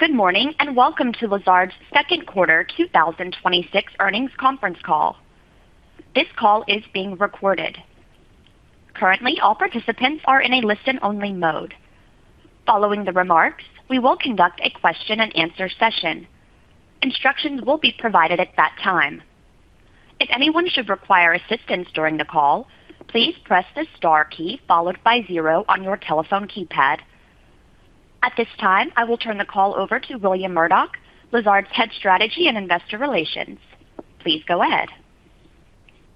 Good morning, welcome to Lazard's Second Quarter 2026 Earnings conference call. This call is being recorded. Currently, all participants are in a listen-only mode. Following the remarks, we will conduct a question and answer session. Instructions will be provided at that time. If anyone should require assistance during the call, please press the star key followed by zero on your telephone keypad. At this time, I will turn the call over to William Murdock, Lazard's Head Strategy and Investor Relations. Please go ahead.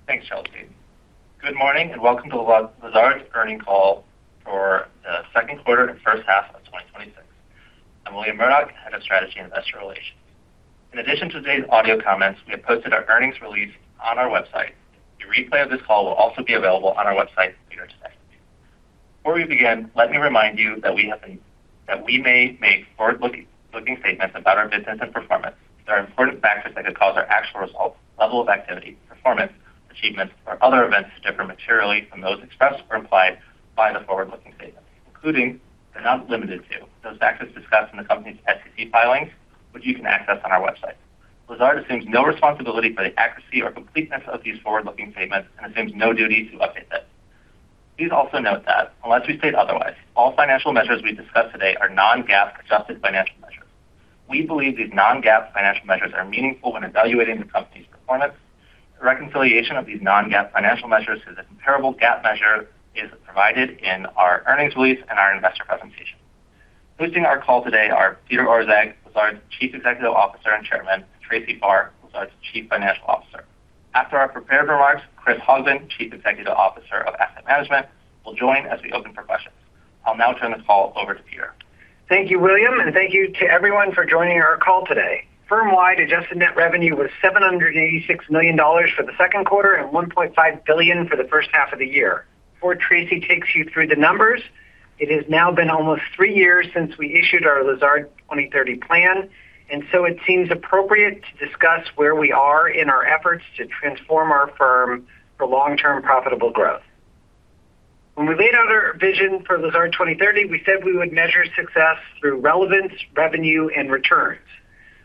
Thanks, Chelsea. Good morning, welcome to Lazard's earnings call for the second quarter and first half of 2026. I'm William Murdock, Head of Strategy and Investor Relations. In addition to today's audio comments, we have posted our earnings release on our website. A replay of this call will also be available on our website later today. Before we begin, let me remind you that we may make forward-looking statements about our business and performance. There are important factors that could cause our actual results, level of activity, performance, achievements, or other events to differ materially from those expressed or implied by the forward-looking statements, including, but not limited to, those factors discussed in the company's SEC filings, which you can access on our website. Lazard assumes no responsibility for the accuracy or completeness of these forward-looking statements and assumes no duty to update them. Please also note that, unless we state otherwise, all financial measures we discuss today are non-GAAP adjusted financial measures. We believe these non-GAAP financial measures are meaningful when evaluating the company's performance. A reconciliation of these non-GAAP financial measures to the comparable GAAP measure is provided in our earnings release and our investor presentation. Hosting our call today are Peter Orszag, Lazard's Chief Executive Officer and Chairman, and Tracy Farr, Lazard's Chief Financial Officer. After our prepared remarks, Chris Hogbin, Chief Executive Officer of Asset Management, will join as we open for questions. I'll now turn this call over to Peter. Thank you, William, thank you to everyone for joining our call today. Firm-wide adjusted net revenue was $786 million for the second quarter and $1.5 billion for the first half of the year. Before Tracy takes you through the numbers, it has now been almost three years since we issued our Lazard 2030 plan, it seems appropriate to discuss where we are in our efforts to transform our firm for long-term profitable growth. When we laid out our vision for Lazard 2030, we said we would measure success through relevance, revenue, and returns.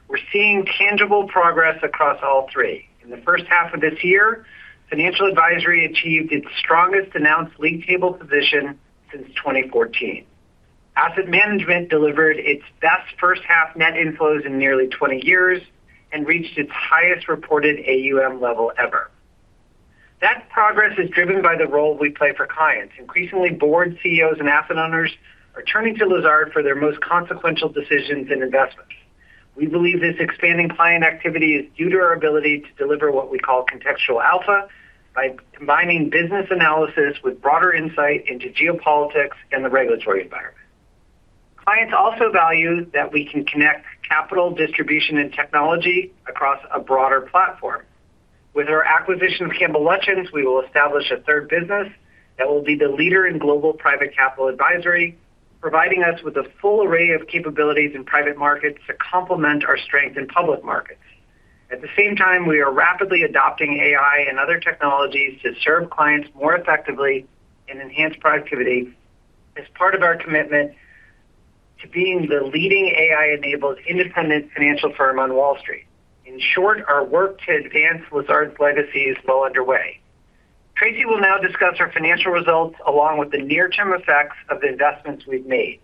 We're seeing tangible progress across all three. In the first half of this year, Financial Advisory achieved its strongest announced league table position since 2014. Asset Management delivered its best first-half net inflows in nearly 20 years and reached its highest reported AUM level ever. That progress is driven by the role we play for clients. Increasingly, board CEOs and asset owners are turning to Lazard for their most consequential decisions and investments. We believe this expanding client activity is due to our ability to deliver what we call contextual alpha by combining business analysis with broader insight into geopolitics and the regulatory environment. Clients also value that we can connect capital distribution and technology across a broader platform. With our acquisition of Campbell Lutyens, we will establish a third business that will be the leader in global private capital advisory, providing us with a full array of capabilities in private markets to complement our strength in public markets. At the same time, we are rapidly adopting AI and other technologies to serve clients more effectively and enhance productivity as part of our commitment to being the leading AI-enabled independent financial firm on Wall Street. In short, our work to advance Lazard's legacy is well underway. Tracy will now discuss our financial results along with the near-term effects of the investments we've made.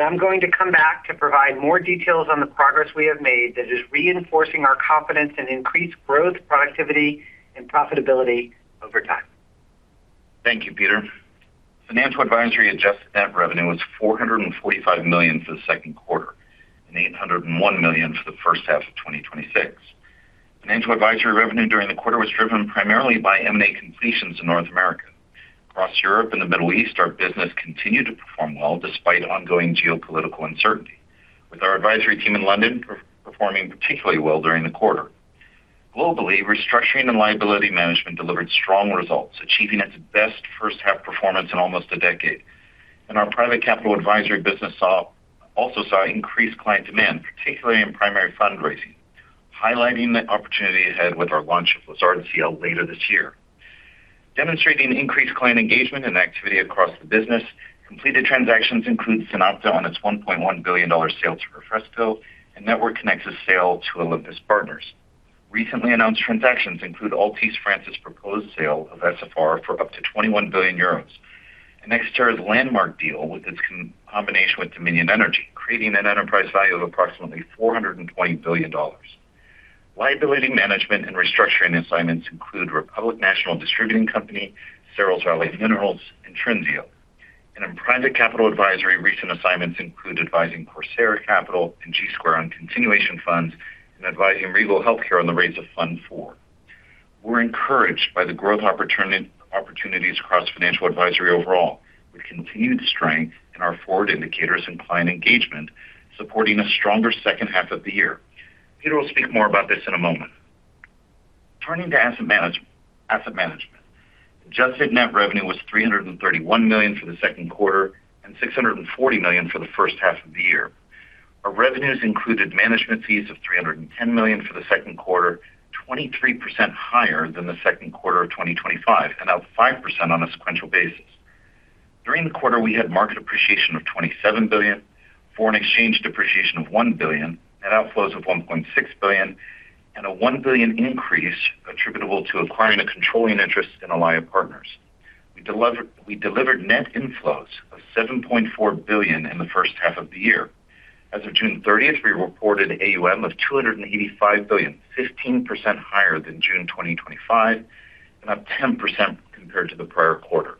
I'm going to come back to provide more details on the progress we have made that is reinforcing our confidence and increased growth, productivity, and profitability over time. Thank you, Peter. Financial Advisory adjusted net revenue was $445 million for the second quarter and $801 million for the first half of 2026. Financial Advisory revenue during the quarter was driven primarily by M&A completions in North America. Across Europe and the Middle East, our business continued to perform well despite ongoing geopolitical uncertainty, with our advisory team in London performing particularly well during the quarter. Globally, Restructuring and Liability Management delivered strong results, achieving its best first-half performance in almost a decade. Our Private Capital Advisory business also saw increased client demand, particularly in primary fundraising, highlighting the opportunity ahead with our launch of Lazard CL later this year. Demonstrating increased client engagement and activity across the business, completed transactions include SunOpta on its $1.1 billion sale to Refresco, and Network Connex's sale to Olympus Partners. Recently announced transactions include Altice France's proposed sale of SFR for up to 21 billion euros, and NextEra's landmark deal with its combination with Dominion Energy, creating an enterprise value of approximately $420 billion. Liability Management and Restructuring assignments include Republic National Distributing Company, Searles Valley Minerals, and Trinseo. In Private Capital Advisory, recent assignments include advising Corsair Capital and G Square on continuation funds and advising Regal Healthcare on the rates of Fund 4. We're encouraged by the growth opportunities across Financial Advisory overall, with continued strength in our forward indicators and client engagement supporting a stronger second half of the year. Peter will speak more about this in a moment. Turning to Asset Management. Adjusted net revenue was $331 million for the second quarter and $640 million for the first half of the year. Our revenues included management fees of $310 million for the second quarter, 23% higher than the second quarter of 2025, and up 5% on a sequential basis. During the quarter, we had market appreciation of $27 billion, foreign exchange depreciation of $1 billion, net outflows of $1.6 billion, and a $1 billion increase attributable to acquiring a controlling interest in Allied Partners. We delivered net inflows of $7.4 billion in the first half of the year. As of June 30th, we reported AUM of $285 billion, 15% higher than June 2025, and up 10% compared to the prior quarter.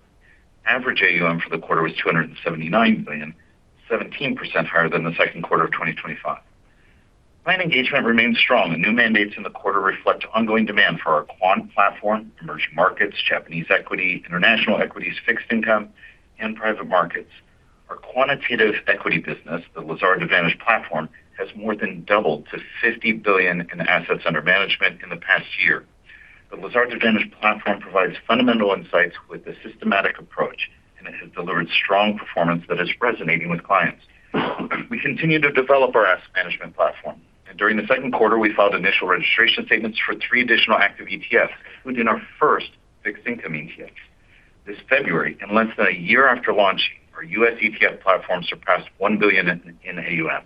Average AUM for the quarter was $279 billion, 17% higher than the second quarter of 2025. Client engagement remains strong, and new mandates in the quarter reflect ongoing demand for our quant platform, emerging markets, Japanese equity, international equities, fixed income, and private markets. Our quantitative equity business, the Lazard Advantage platform, has more than doubled to $50 billion in assets under management in the past year. It has delivered strong performance that is resonating with clients. During the second quarter, we filed initial registration statements for three additional active ETFs, including our first fixed income ETF. This February, in less than a year after launching, our U.S. ETF platform surpassed $1 billion in AUM,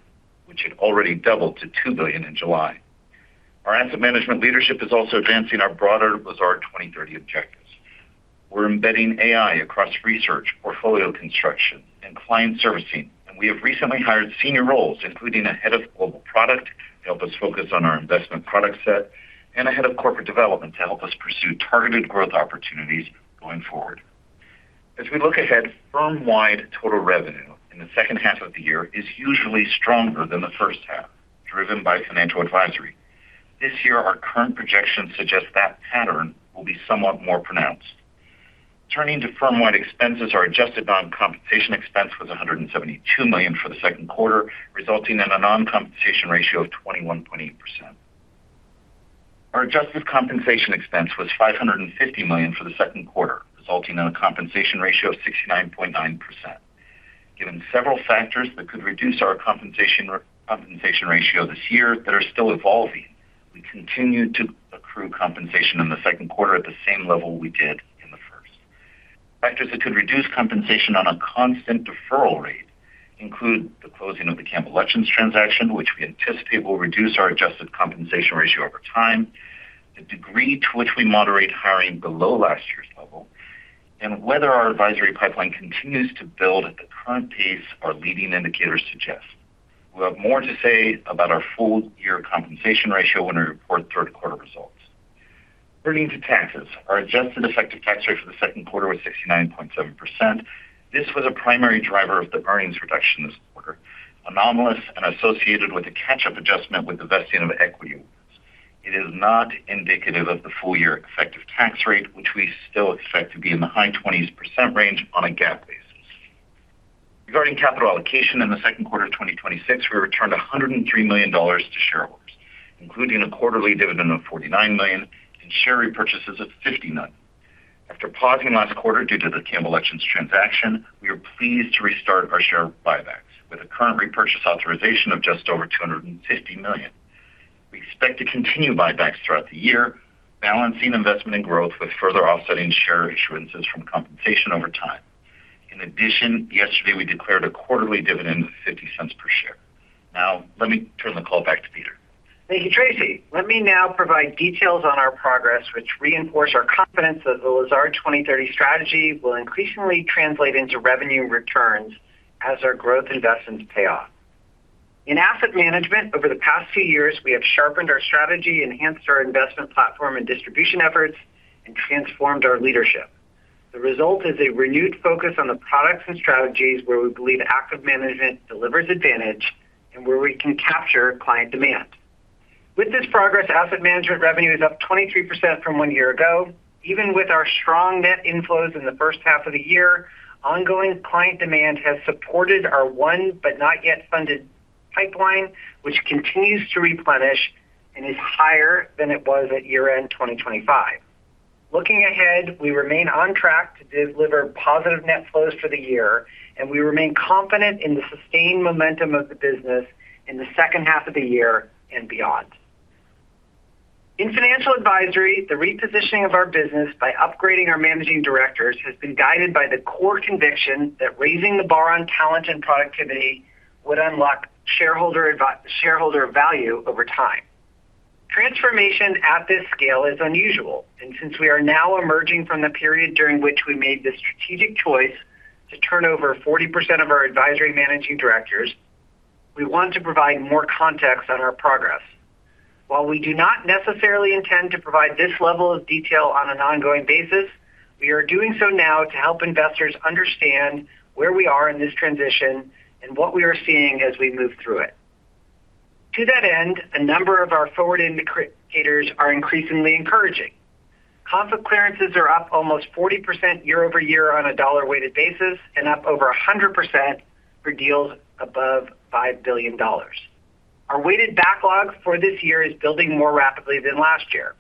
which had already doubled to $2 billion in July. Our Asset Management leadership is also advancing our broader Lazard 2030 objectives. We're embedding AI across research, portfolio construction, and client servicing. We have recently hired senior roles, including a head of global product to help us focus on our investment product set, and a head of corporate development to help us pursue targeted growth opportunities going forward. As we look ahead, firm-wide total revenue in the second half of the year is usually stronger than the first half, driven by Financial Advisory. This year, our current projections suggest that pattern will be somewhat more pronounced. Turning to firm-wide expenses, our adjusted non-compensation expense was $172 million for the second quarter, resulting in a non-compensation ratio of 21.8%. Our adjusted compensation expense was $550 million for the second quarter, resulting in a compensation ratio of 69.9%. Given several factors that could reduce our compensation ratio this year that are still evolving, we continue to accrue compensation in the second quarter at the same level we did in the first. Factors that could reduce compensation on a constant deferral rate include the closing of the Campbell Lutyens transaction, which we anticipate will reduce our adjusted compensation ratio over time, the degree to which we moderate hiring below last year's level, and whether our advisory pipeline continues to build at the current pace our leading indicators suggest. We'll have more to say about our full-year compensation ratio when we report third quarter results. Turning to taxes, our adjusted effective tax rate for the second quarter was 69.7%. This was a primary driver of the earnings reduction this quarter, anomalous and associated with a catch-up adjustment with the vesting of equity. It is not indicative of the full-year effective tax rate, which we still expect to be in the high 20% range on a GAAP basis. Regarding capital allocation, in the second quarter of 2026, we returned $103 million to shareholders, including a quarterly dividend of $49 million and share repurchases of $59. After pausing last quarter due to the Campbell Lutyens transaction, we are pleased to restart our share buybacks with a current repurchase authorization of just over $250 million. We expect to continue buybacks throughout the year, balancing investment and growth with further offsetting share issuances from compensation over time. In addition, yesterday, we declared a quarterly dividend of $0.50 per share. Now, let me turn the call back to Peter. Thank you, Tracy. Let me now provide details on our progress, which reinforce our confidence that the Lazard 2030 strategy will increasingly translate into revenue returns as our growth investments pay off. In Asset Management, over the past few years, we have sharpened our strategy, enhanced our investment platform and distribution efforts, and transformed our leadership. The result is a renewed focus on the products and strategies where we believe active management delivers advantage and where we can capture client demand. With this progress, Asset Management revenue is up 23% from one year ago. Even with our strong net inflows in the first half of the year, ongoing client demand has supported our won but not yet funded pipeline, which continues to replenish and is higher than it was at year-end 2025. Looking ahead, we remain on track to deliver positive net flows for the year. We remain confident in the sustained momentum of the business in the second half of the year and beyond. In Financial Advisory, the repositioning of our business by upgrading our managing directors has been guided by the core conviction that raising the bar on talent and productivity would unlock shareholder value over time. Transformation at this scale is unusual, and since we are now emerging from the period during which we made the strategic choice to turn over 40% of our advisory managing directors, we want to provide more context on our progress. While we do not necessarily intend to provide this level of detail on an ongoing basis, we are doing so now to help investors understand where we are in this transition, what we are seeing as we move through it. To that end, a number of our forward indicators are increasingly encouraging. Conflict clearances are up almost 40% year-over-year on a dollar-weighted basis and up over 100% for deals above $5 billion. Our weighted backlog for this year is building more rapidly than last year.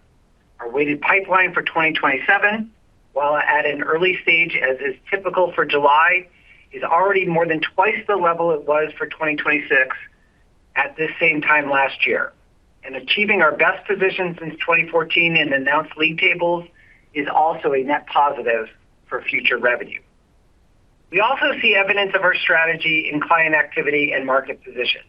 Our weighted pipeline for 2027, while at an early stage, as is typical for July, is already more than twice the level it was for 2026 at the same time last year. Achieving our best position since 2014 in announced league tables is also a net positive for future revenue. We also see evidence of our strategy in client activity and market position.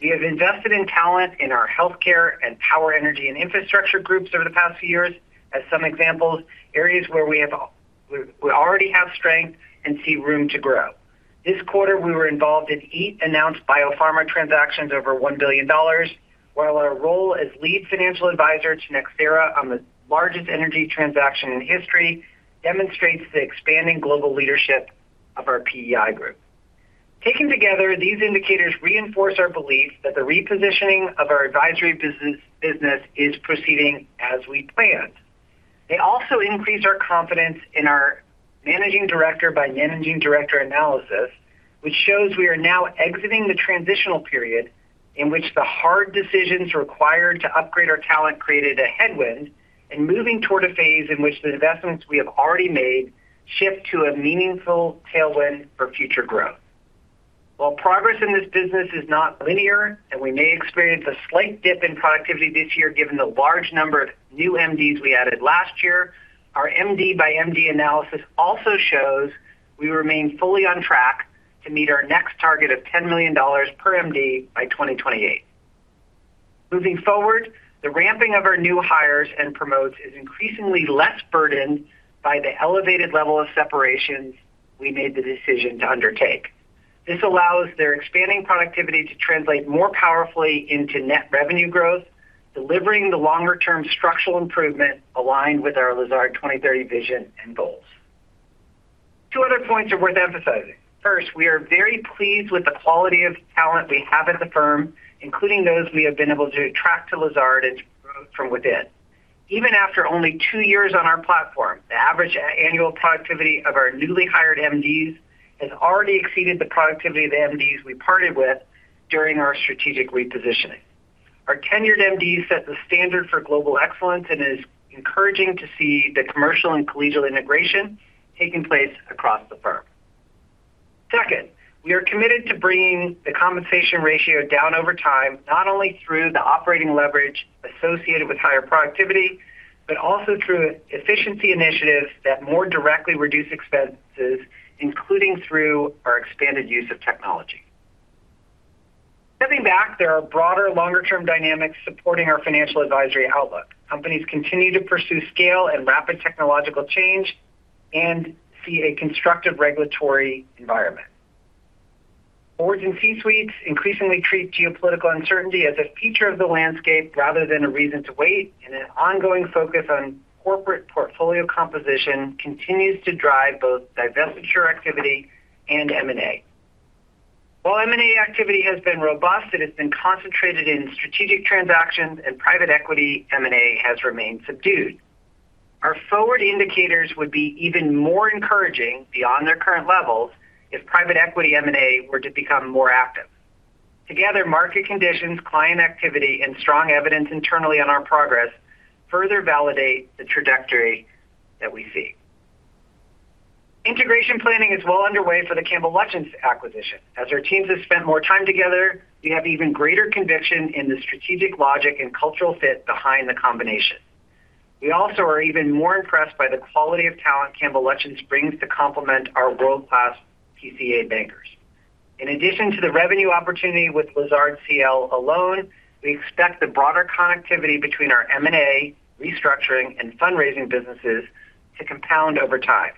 We have invested in talent in our healthcare and power energy and infrastructure groups over the past few years. As some examples, areas where we already have strength and see room to grow. This quarter, we were involved in eight announced biopharma transactions over $1 billion, while our role as lead financial advisor to NextEra on the largest energy transaction in history demonstrates the expanding global leadership of our PEI group. Taken together, these indicators reinforce our belief that the repositioning of our advisory business is proceeding as we planned. They also increase our confidence in our Managing Director by Managing Director analysis, which shows we are now exiting the transitional period in which the hard decisions required to upgrade our talent created a headwind, and moving toward a phase in which the investments we have already made shift to a meaningful tailwind for future growth. While progress in this business is not linear, and we may experience a slight dip in productivity this year, given the large number of new MDs we added last year, our MD by MD analysis also shows we remain fully on track to meet our next target of $10 million per MD by 2028. Moving forward, the ramping of our new hires and promotes is increasingly less burdened by the elevated level of separations we made the decision to undertake. This allows their expanding productivity to translate more powerfully into net revenue growth, delivering the longer-term structural improvement aligned with our Lazard 2030 vision and goals. Two other points are worth emphasizing. First, we are very pleased with the quality of talent we have at the firm, including those we have been able to attract to Lazard as growth from within. Even after only two years on our platform, the average annual productivity of our newly hired MDs has already exceeded the productivity of the MDs we parted with during our strategic repositioning. Our tenured MD sets the standard for global excellence, and it is encouraging to see the commercial and collegial integration taking place across the firm. Second, we are committed to bringing the compensation ratio down over time, not only through the operating leverage associated with higher productivity, but also through efficiency initiatives that more directly reduce expenses, including through our expanded use of technology. Stepping back, there are broader, longer-term dynamics supporting our Financial Advisory outlook. Companies continue to pursue scale and rapid technological change and see a constructive regulatory environment. Boards and C-suites increasingly treat geopolitical uncertainty as a feature of the landscape rather than a reason to wait, and an ongoing focus on corporate portfolio composition continues to drive both divestiture activity and M&A. While M&A activity has been robust, it has been concentrated in strategic transactions, and private equity M&A has remained subdued. Our forward indicators would be even more encouraging beyond their current levels if private equity M&A were to become more active. Together, market conditions, client activity, and strong evidence internally on our progress further validate the trajectory that we see. Integration planning is well underway for the Campbell Lutyens acquisition. As our teams have spent more time together, we have even greater conviction in the strategic logic and cultural fit behind the combination. We also are even more impressed by the quality of talent Campbell Lutyens brings to complement our world-class PCA bankers. In addition to the revenue opportunity with Lazard CL alone, we expect the broader connectivity between our M&A, restructuring, and fundraising businesses to compound over time.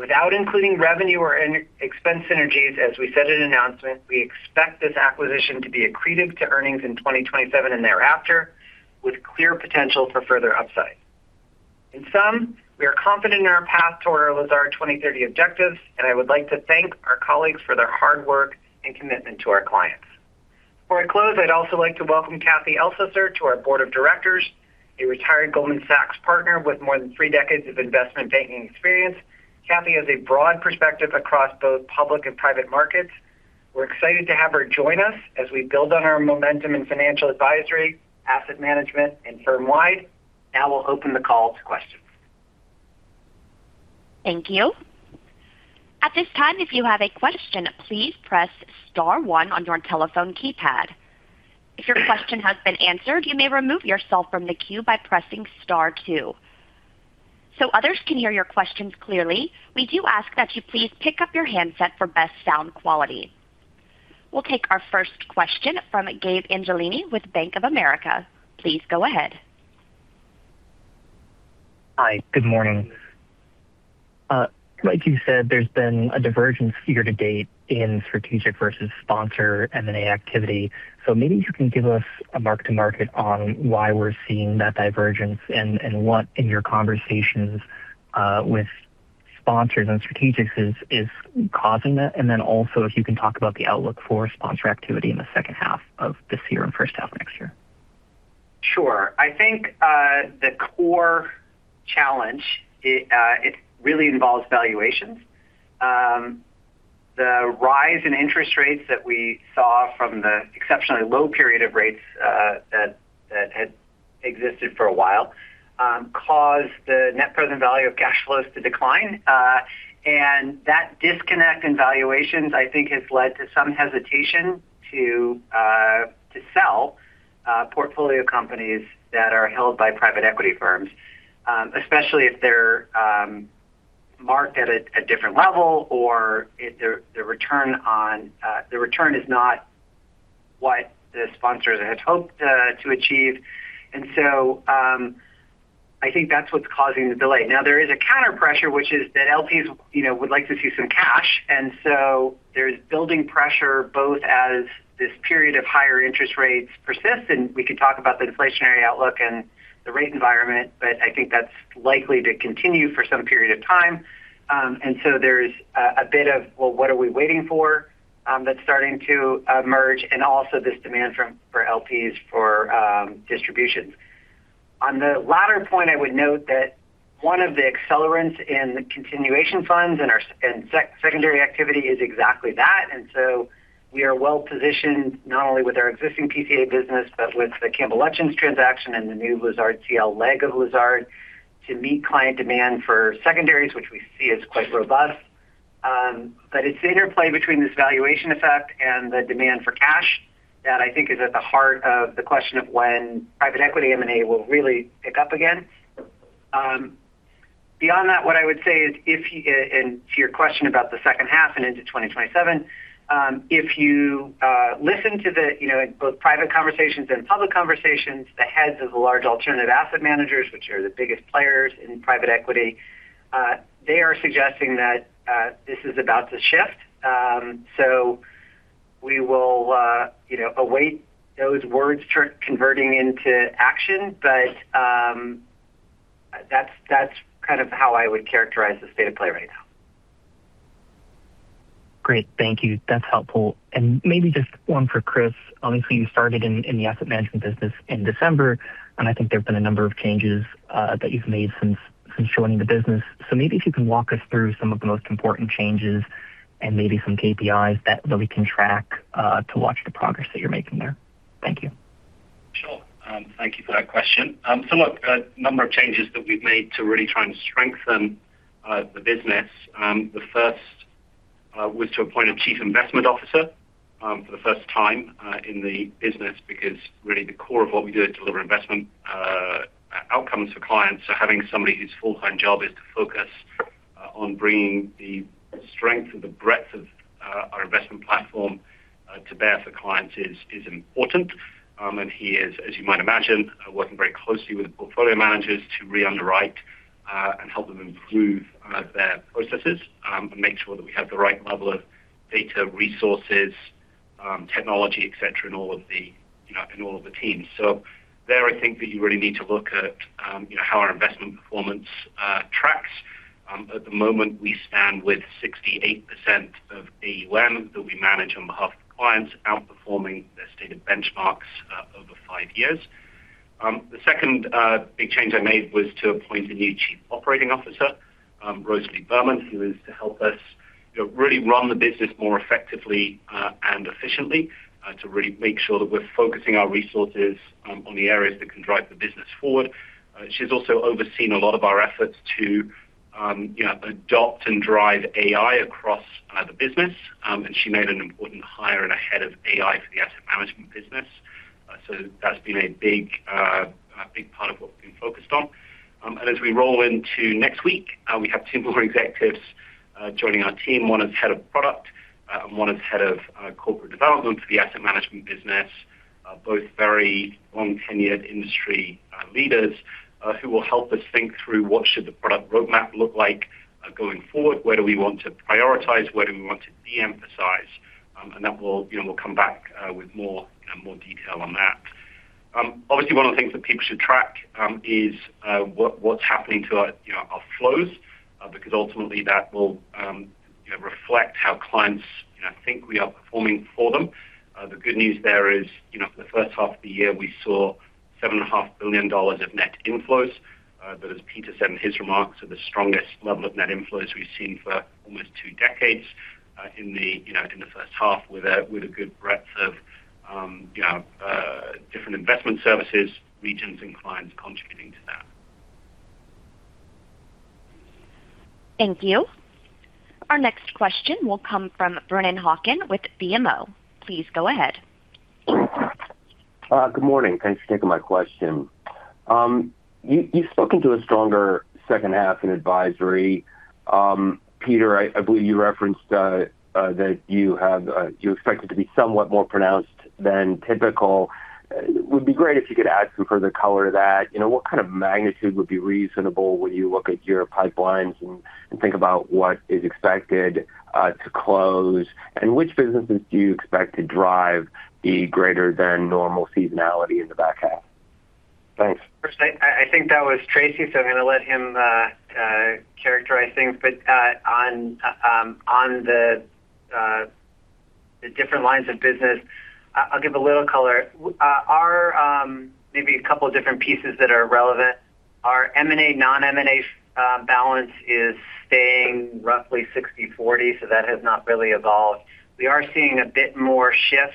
Without including revenue or expense synergies, as we said in the announcement, we expect this acquisition to be accretive to earnings in 2027 and thereafter, with clear potential for further upside. In sum, we are confident in our path toward our Lazard 2030 objectives, and I would like to thank our colleagues for their hard work and commitment to our clients. Before I close, I'd also like to welcome Kathy Elsesser to our board of directors, a retired Goldman Sachs partner with more than three decades of investment banking experience. Kathy has a broad perspective across both public and private markets. We're excited to have her join us as we build on our momentum in Financial Advisory, Asset Management, and firm-wide. We'll open the call to questions. Thank you. At this time, if you have a question, please press star one on your telephone keypad. If your question has been answered, you may remove yourself from the queue by pressing star two. Others can hear your questions clearly, we do ask that you please pick up your handset for best sound quality. We'll take our first question from Gab Angelini with Bank of America. Please go ahead. Hi. Good morning. Like you said, there's been a divergence year to date in strategic versus sponsor M&A activity. Maybe you can give us a mark-to-market on why we're seeing that divergence and what, in your conversations with sponsors and strategics, is causing that. Then also, if you can talk about the outlook for sponsor activity in the second half of this year and first half next year. Sure. I think the core challenge, it really involves valuations. The rise in interest rates that we saw from the exceptionally low period of rates that had existed for a while caused the net present value of cash flows to decline. That disconnect in valuations, I think, has led to some hesitation to sell portfolio companies that are held by private equity firms, especially if they are marked at a different level or if the return is not what the sponsor had hoped to achieve. I think that is what is causing the delay. Now, there is a counterpressure, which is that LPs would like to see some cash. There is building pressure both as this period of higher interest rates persists, and we could talk about the inflationary outlook and the rate environment, but I think that is likely to continue for some period of time. There is a bit of, "Well, what are we waiting for?" that is starting to emerge and also this demand for LPs for distributions. On the latter point, I would note that one of the accelerants in the continuation funds and secondary activity is exactly that. We are well-positioned not only with our existing PCA business, but with the Campbell Lutyens transaction and the new Lazard CL leg of Lazard to meet client demand for secondaries, which we see as quite robust. It is the interplay between this valuation effect and the demand for cash that I think is at the heart of the question of when private equity M&A will really pick up again. Beyond that, what I would say is, to your question about the second half and into 2027, if you listen to both private conversations and public conversations, the heads of the large alternative asset managers, which are the biggest players in private equity, they are suggesting that this is about to shift. We will await those words converting into action. That is kind of how I would characterize the state of play right now. Great. Thank you. That is helpful. Maybe just one for Chris. Obviously, you started in the Asset Management business in December, and I think there have been a number of changes that you have made since joining the business. Maybe if you can walk us through some of the most important changes and maybe some KPIs that we can track to watch the progress that you are making there. Thank you. Thank you for that question. Look, a number of changes that we've made to really try and strengthen the business. The first was to appoint a chief investment officer for the first time in the business because really the core of what we do is deliver investment outcomes for clients. Having somebody whose full-time job is to focus on bringing the strength and the breadth of our investment platform to bear for clients is important. He is, as you might imagine, working very closely with the portfolio managers to re-underwrite and help them improve their processes and make sure that we have the right level of data, resources, technology, et cetera, in all of the teams. There, I think that you really need to look at how our investment performance tracks. At the moment, we stand with 68% of AUM that we manage on behalf of clients outperforming their stated benchmarks over five years. The second big change I made was to appoint a new chief operating officer, Rosalie Berman, who is to help us really run the business more effectively and efficiently, to really make sure that we're focusing our resources on the areas that can drive the business forward. She's also overseen a lot of our efforts to adopt and drive AI across the business. She made an important hire in ahead of AI for the Asset Management business. That's been a big part of what we've been focused on. As we roll into next week, we have two more executives joining our team. One is head of product, and one is head of corporate development for the Asset Management business. Both very long-tenured industry leaders who will help us think through what should the product roadmap look like going forward. Where do we want to prioritize? Where do we want to de-emphasize? We'll come back with more detail on that. Obviously, one of the things that people should track is what's happening to our flows, because ultimately that will reflect how clients think we are performing for them. The good news there is, for the first half of the year, we saw $7.5 billion of net inflows. As Peter said in his remarks, are the strongest level of net inflows we've seen for almost two decades in the first half with a good breadth of different investment services, regions, and clients contributing to that. Thank you. Our next question will come from Brennan Hawken with BMO. Please go ahead. Good morning. Thanks for taking my question. You've spoken to a stronger second half in advisory. Peter, I believe you referenced that you expect it to be somewhat more pronounced than typical. It would be great if you could add some further color to that. What kind of magnitude would be reasonable when you look at your pipelines and think about what is expected to close, and which businesses do you expect to drive the greater than normal seasonality in the back half? Thanks. First, I think that was Tracy, I'm going to let him characterize things. On the different lines of business, I'll give a little color. Maybe a couple of different pieces that are relevant. Our M&A, non-M&A balance is staying roughly 60/40, that has not really evolved. We are seeing a bit more shift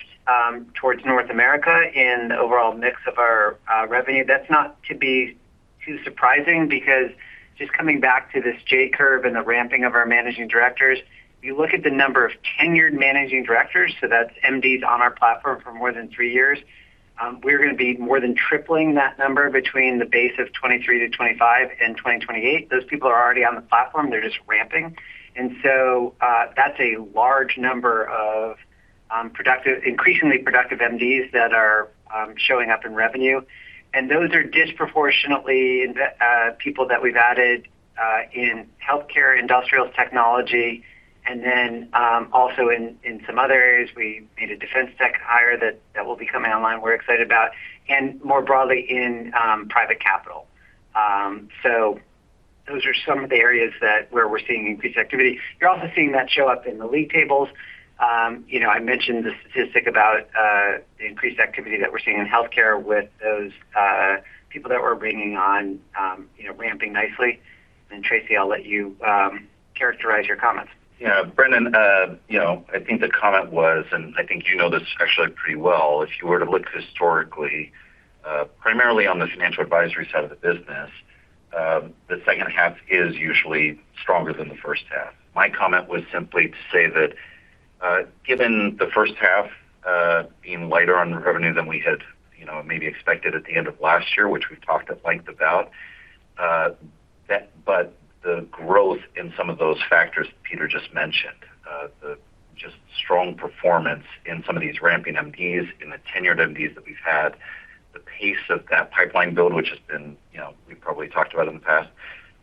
towards North America in the overall mix of our revenue. That's not to be too surprising because just coming back to this J-curve and the ramping of our managing directors, you look at the number of tenured managing directors, that's MDs on our platform for more than three years, we're going to be more than tripling that number between the base of 2023 to 2025 and 2028. Those people are already on the platform. They're just ramping. That's a large number of increasingly productive MDs that are showing up in revenue. Those are disproportionately people that we've added in healthcare, industrials, technology, also in some other areas, we made a defense tech hire that will be coming online we're excited about, and more broadly in private capital. Those are some of the areas where we're seeing increased activity. You're also seeing that show up in the league tables. I mentioned the statistic about the increased activity that we're seeing in healthcare with those people that we're bringing on ramping nicely. Tracy, I'll let you characterize your comments. Yeah. Brennan, I think the comment was, I think you know this actually pretty well, if you were to look historically, primarily on the Financial Advisory side of the business, the second half is usually stronger than the first half. My comment was simply to say that given the first half being lighter on revenue than we had maybe expected at the end of last year, which we've talked at length about, the growth in some of those factors Peter just mentioned. Just strong performance in some of these ramping MDs, in the tenured MDs that we've had, the pace of that pipeline build, which we've probably talked about in the past,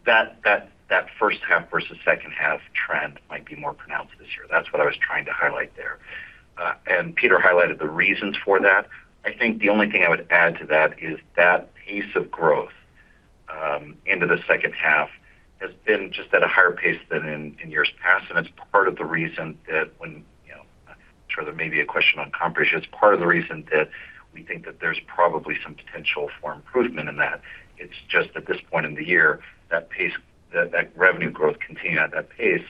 that first half versus second half trend might be more pronounced this year. That's what I was trying to highlight there. Peter highlighted the reasons for that. I think the only thing I would add to that is that pace of growth into the second half has been just at a higher pace than in years past, and it's part of the reason that when, I'm sure there may be a question on comp ratio, it's part of the reason that we think that there's probably some potential for improvement in that. It's just at this point in the year, that revenue growth continuing at that pace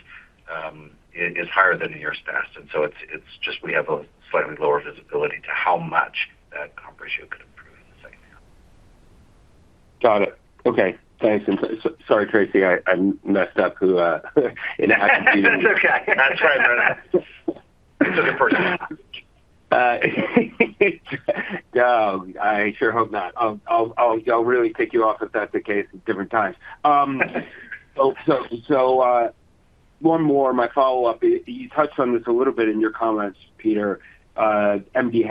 is higher than in years past. It's just we have a slightly lower visibility to how much that comp ratio could improve in the second half. Got it. Okay, thanks. Sorry, Tracy. That's okay. That's all right, man. It's a good first half. No, I sure hope not. I'll really tick you off if that's the case at different times. One more. My follow-up. You touched on this a little bit in your comments, Peter, MD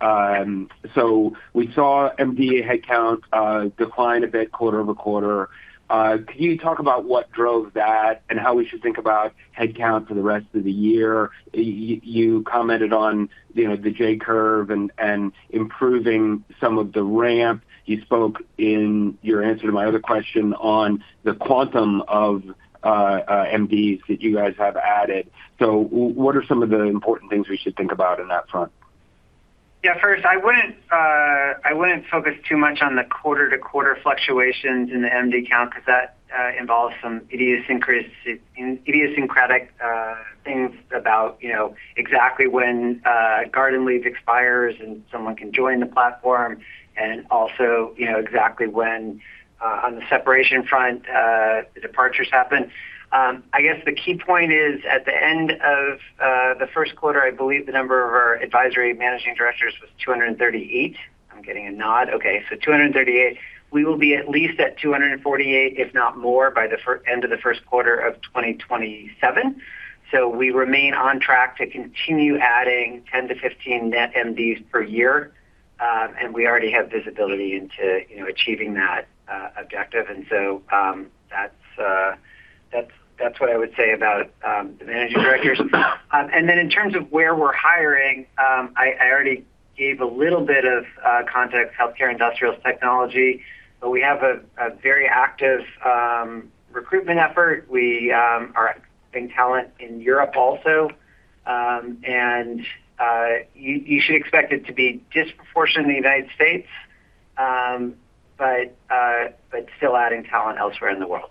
headcount. We saw MD headcount decline a bit quarter-over-quarter. Can you talk about what drove that and how we should think about headcount for the rest of the year? You commented on the J-curve and improving some of the ramp. You spoke in your answer to my other question on the quantum of MDs that you guys have added. What are some of the important things we should think about on that front? Yeah. First, I wouldn't focus too much on the quarter-to-quarter fluctuations in the MD count because that involves some idiosyncratic things about exactly when garden leave expires and someone can join the platform, and also exactly when on the separation front, the departures happen. I guess the key point is at the end of the first quarter, I believe the number of our advisory managing directors was 238. I'm getting a nod. Okay. 238. We will be at least at 248, if not more, by the end of the first quarter of 2027. We remain on track to continue adding 10 to 15 net MDs per year. We already have visibility into achieving that objective. That's what I would say about the managing directors. In terms of where we're hiring, I already gave a little bit of context, healthcare, industrials, technology. We have a very active recruitment effort. We are recruiting talent in Europe also. You should expect it to be disproportionate in the U.S., but still adding talent elsewhere in the world.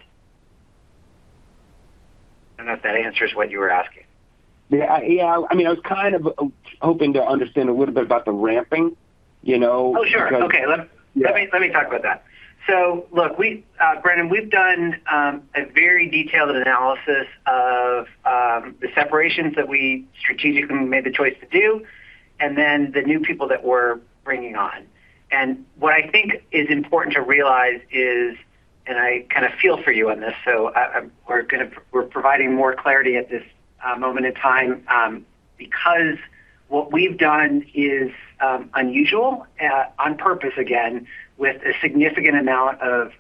I don't know if that answers what you were asking. Yeah. I was kind of hoping to understand a little bit about the ramping. Oh, sure. Okay. Yeah. Let me talk about that. Look, Brennan, we've done a very detailed analysis of the separations that we strategically made the choice to do, the new people that we're bringing on. What I think is important to realize is, I kind of feel for you on this, we're providing more clarity at this moment in time because what we've done is unusual, on purpose again, with a significant amount of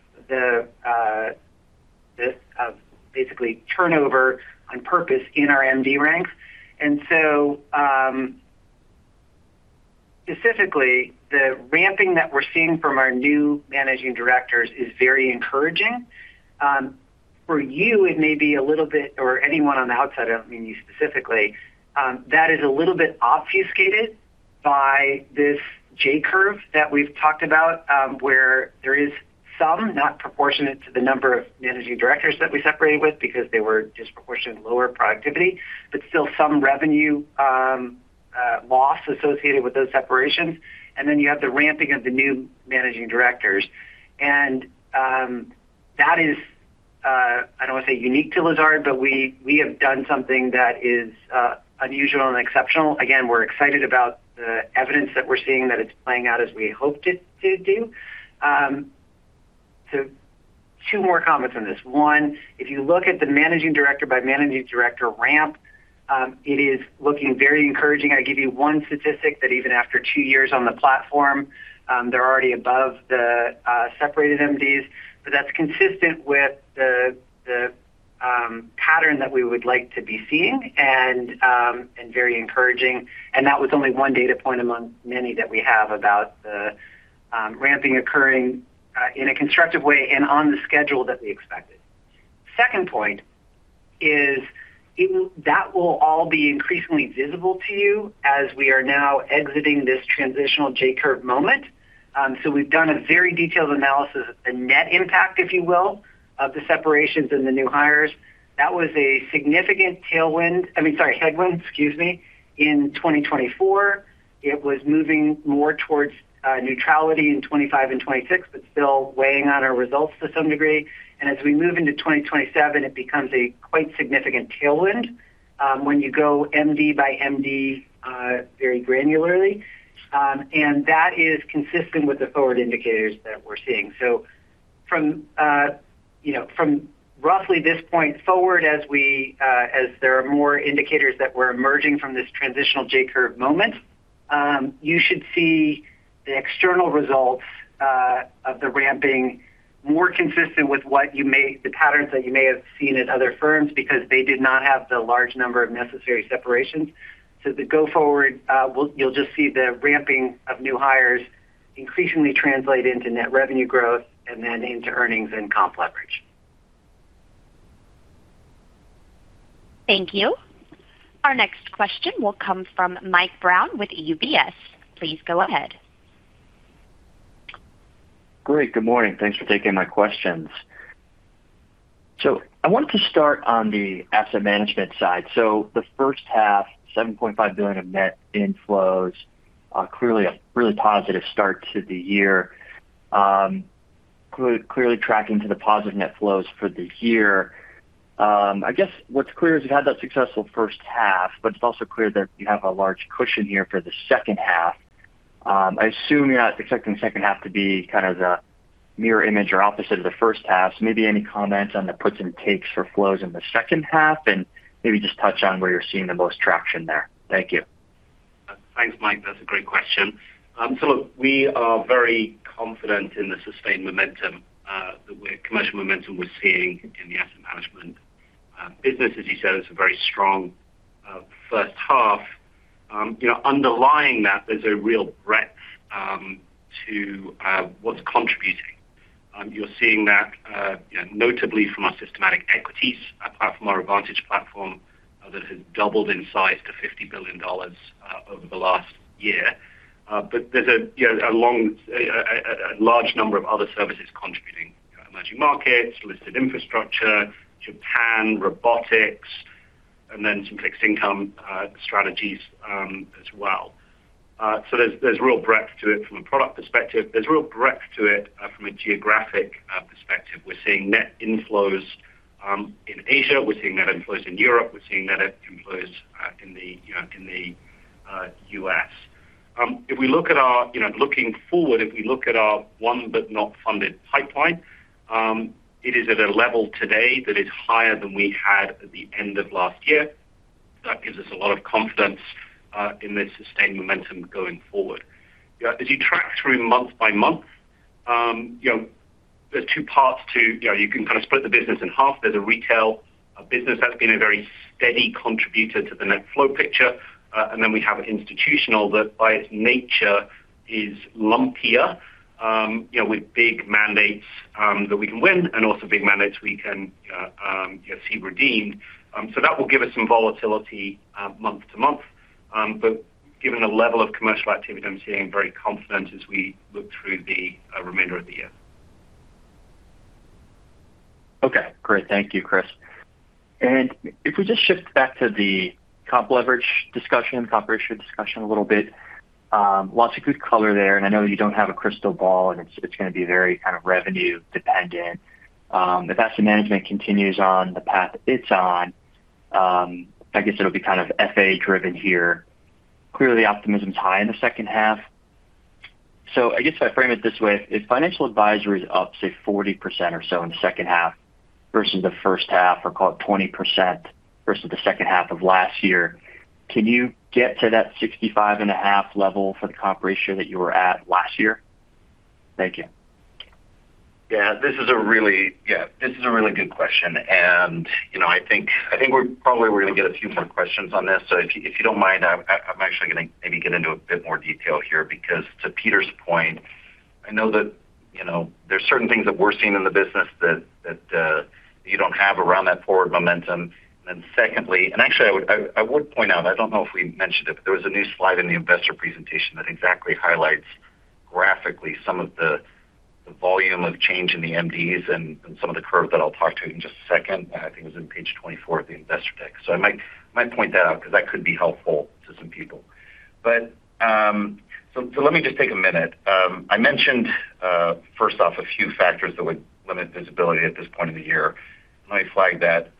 basically turnover on purpose in our MD ranks. Specifically, the ramping that we're seeing from our new Managing Directors is very encouraging. For you, it may be a little bit, or anyone on the outside, I don't mean you specifically, that is a little bit obfuscated by this J-curve that we've talked about where there is some, not proportionate to the number of Managing Directors that we separated with because they were disproportionately lower productivity, but still some revenue loss associated with those separations. Then you have the ramping of the new Managing Directors. That is, I don't want to say unique to Lazard, but we have done something that is unusual and exceptional. Again, we're excited about the evidence that we're seeing that it's playing out as we had hoped it to do. Two more comments on this. One, if you look at the Managing Director by Managing Director ramp, it is looking very encouraging. I give you one statistic that even after two years on the platform, they're already above the separated MDs. That's consistent with the pattern that we would like to be seeing and very encouraging. That was only one data point among many that we have about the ramping occurring in a constructive way and on the schedule that we expected. Second point is that will all be increasingly visible to you as we are now exiting this transitional J-curve moment. We've done a very detailed analysis of the net impact, if you will, of the separations and the new hires. That was a significant headwind in 2024. It was moving more towards neutrality in 2025 and 2026, but still weighing on our results to some degree. As we move into 2027, it becomes a quite significant tailwind when you go MD by MD very granularly. That is consistent with the forward indicators that we're seeing. From roughly this point forward as there are more indicators that we're emerging from this transitional J-curve moment, you should see the external results of the ramping more consistent with the patterns that you may have seen at other firms because they did not have the large number of necessary separations. The go forward, you'll just see the ramping of new hires increasingly translate into net revenue growth and then into earnings and comp leverage. Thank you. Our next question will come from Mike Brown with UBS. Please go ahead. Great. Good morning. Thanks for taking my questions. I wanted to start on the Asset Management side. The first half, $7.5 billion of net inflows, clearly a really positive start to the year. Clearly tracking to the positive net flows for the year. I guess what's clear is you've had that successful first half, it's also clear that you have a large cushion here for the second half. I assume you're not expecting the second half to be kind of the mirror image or opposite of the first half. Maybe any comments on the puts and takes for flows in the second half, and maybe just touch on where you're seeing the most traction there. Thank you. Thanks, Mike. That's a great question. Look, we are very confident in the sustained momentum, the commercial momentum we're seeing in the Asset Management business. As you said, it's a very strong first half. Underlying that, there's a real breadth to what's contributing. You're seeing that notably from our systematic equities platform, our advantage platform that has doubled in size to $50 billion over the last year. There's a large number of other services contributing. Emerging markets, listed infrastructure, Japan, robotics, and some fixed income strategies as well. There's real breadth to it from a product perspective. There's real breadth to it from a geographic perspective. We're seeing net inflows in Asia. We're seeing net inflows in Europe. We're seeing net inflows in the U.S. Looking forward, if we look at our won but not funded pipeline, it is at a level today that is higher than we had at the end of last year. That gives us a lot of confidence in the sustained momentum going forward. As you track through month by month, there's two parts. You can kind of split the business in half. There's a retail business that's been a very steady contributor to the net flow picture. We have institutional that by its nature is lumpier with big mandates that we can win and also big mandates we can see redeemed. That will give us some volatility month to month. Given the level of commercial activity, I'm feeling very confident as we look through the remainder of the year. Okay, great. Thank you, Chris. If we just shift back to the comp leverage discussion, comp ratio discussion a little bit. Lots of good color there, and I know you don't have a crystal ball, and it's going to be very kind of revenue dependent. If Asset Management continues on the path it's on, I guess it'll be kind of FA driven here. Clearly, optimism's high in the second half. I guess if I frame it this way. If Financial Advisory is up, say, 40% or so in the second half versus the first half or call it 20% versus the second half of last year, can you get to that 65.5 level for the comp ratio that you were at last year? Thank you. Yeah, this is a really good question. I think probably we're going to get a few more questions on this. If you don't mind, I'm actually going to maybe get into a bit more detail here because to Peter's point, I know that there's certain things that we're seeing in the business that you don't have around that forward momentum. I would point out, I don't know if we mentioned it, but there was a new slide in the investor presentation that exactly highlights quickly some of the volume of change in the MDs and some of the curves that I'll talk to in just a second. I think it was on page 24 of the investor deck. I might point that out because that could be helpful to some people. Let me just take a minute. I mentioned, first off, a few factors that would limit visibility at this point in the year. Let me flag that.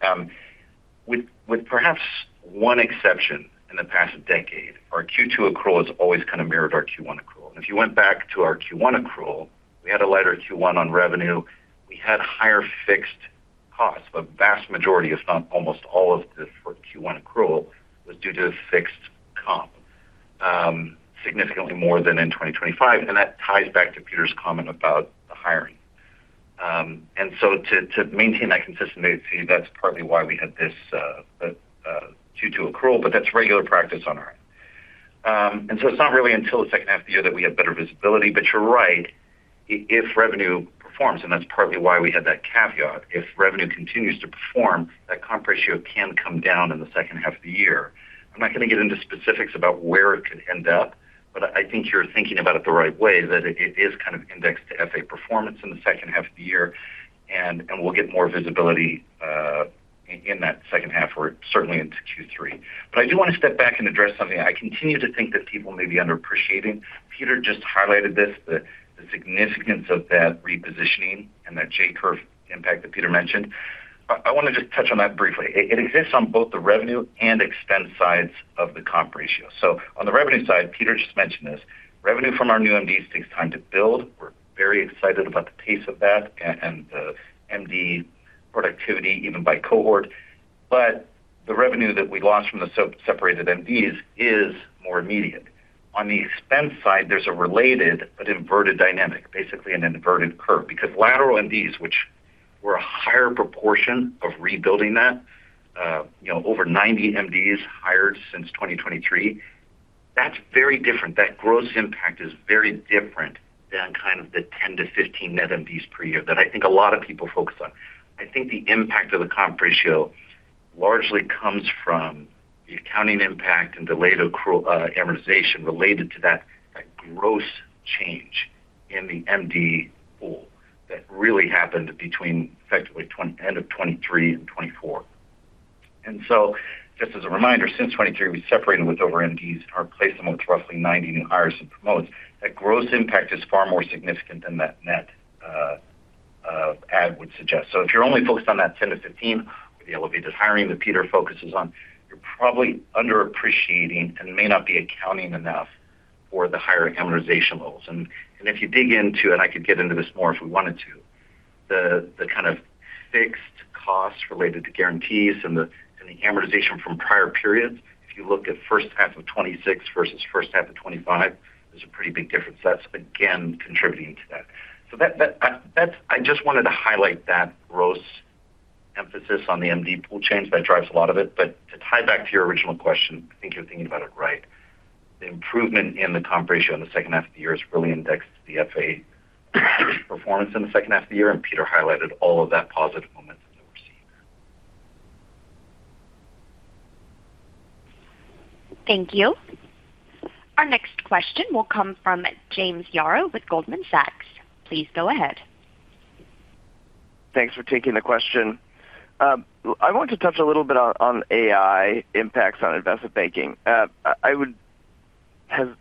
With perhaps one exception in the past decade, our Q2 accrual has always kind of mirrored our Q1 accrual. If you went back to our Q1 accrual, we had a lighter Q1 on revenue. We had higher fixed costs. A vast majority, if not almost all of the Q1 accrual was due to fixed comp, significantly more than in 2025, and that ties back to Peter's comment about the hiring. To maintain that consistency, that's partly why we had this Q2 accrual, but that's regular practice on our end. It's not really until the second half of the year that we have better visibility. You're right, if revenue performs, and that's partly why we had that caveat, if revenue continues to perform, that comp ratio can come down in the second half of the year. I'm not going to get into specifics about where it could end up, but I think you're thinking about it the right way, that it is kind of indexed to FA performance in the second half of the year, and we'll get more visibility in that second half or certainly into Q3. I do want to step back and address something I continue to think that people may be underappreciating. Peter just highlighted this, the significance of that repositioning and that J-curve impact that Peter mentioned. I want to just touch on that briefly. It exists on both the revenue and expense sides of the comp ratio. On the revenue side, Peter just mentioned this, revenue from our new MDs takes time to build. We're very excited about the pace of that and the MD productivity even by cohort. The revenue that we lost from the separated MDs is more immediate. On the expense side, there's a related but inverted dynamic, basically an inverted curve. Lateral MDs, which were a higher proportion of rebuilding that, over 90 MDs hired since 2023, that's very different. That gross impact is very different than kind of the 10-15 net MDs per year that I think a lot of people focus on. I think the impact of the comp ratio largely comes from the accounting impact and delayed amortization related to that gross change in the MD pool that really happened between effectively end of 2023 and 2024. Just as a reminder, since 2023, we separated with over MDs and replaced them with roughly 90 new hires and promotes. That gross impact is far more significant than that net add would suggest. If you're only focused on that 10-15 with the elevated hiring that Peter focuses on, you're probably underappreciating and may not be accounting enough for the higher amortization levels. If you dig into it, I could get into this more if we wanted to, the kind of fixed costs related to guarantees and the amortization from prior periods. If you look at first half of 2026 versus first half of 2025, there's a pretty big difference that's again contributing to that. I just wanted to highlight that gross emphasis on the MD pool change that drives a lot of it. To tie back to your original question, I think you're thinking about it right. The improvement in the comp ratio in the second half of the year is really indexed to the FA performance in the second half of the year, Peter highlighted all of that positive momentum that we're seeing. Thank you. Our next question will come from James Yaro with Goldman Sachs. Please go ahead. Thanks for taking the question. I want to touch a little bit on AI impacts on investment banking. I would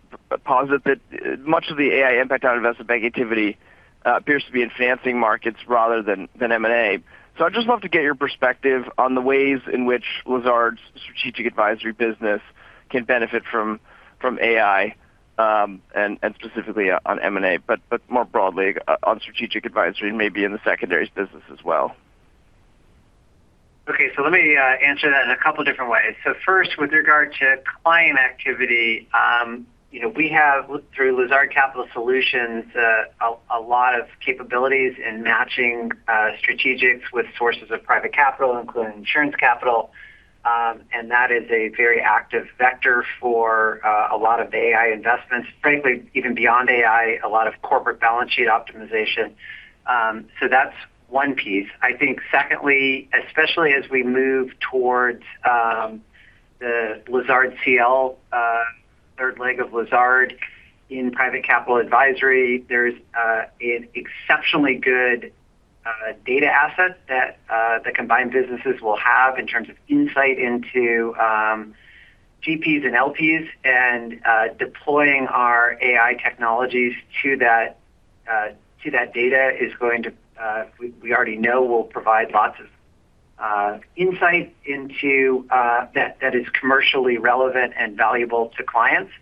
posit that much of the AI impact on investment bank activity appears to be in financing markets rather than M&A. I'd just love to get your perspective on the ways in which Lazard's strategic advisory business can benefit from AI, and specifically on M&A, but more broadly on strategic advisory and maybe in the secondaries business as well. Okay. Let me answer that in a couple different ways. First, with regard to client activity, we have, through Lazard Capital Solutions, a lot of capabilities in matching strategics with sources of private capital, including insurance capital. That is a very active vector for a lot of AI investments. Frankly, even beyond AI, a lot of corporate balance sheet optimization. That's one piece. I think secondly, especially as we move towards the Lazard CL, third leg of Lazard in Private Capital Advisory, there's an exceptionally good data asset that the combined businesses will have in terms of insight into GPs and LPs, and deploying our AI technologies to that data we already know will provide lots of insight that is commercially relevant and valuable to clients.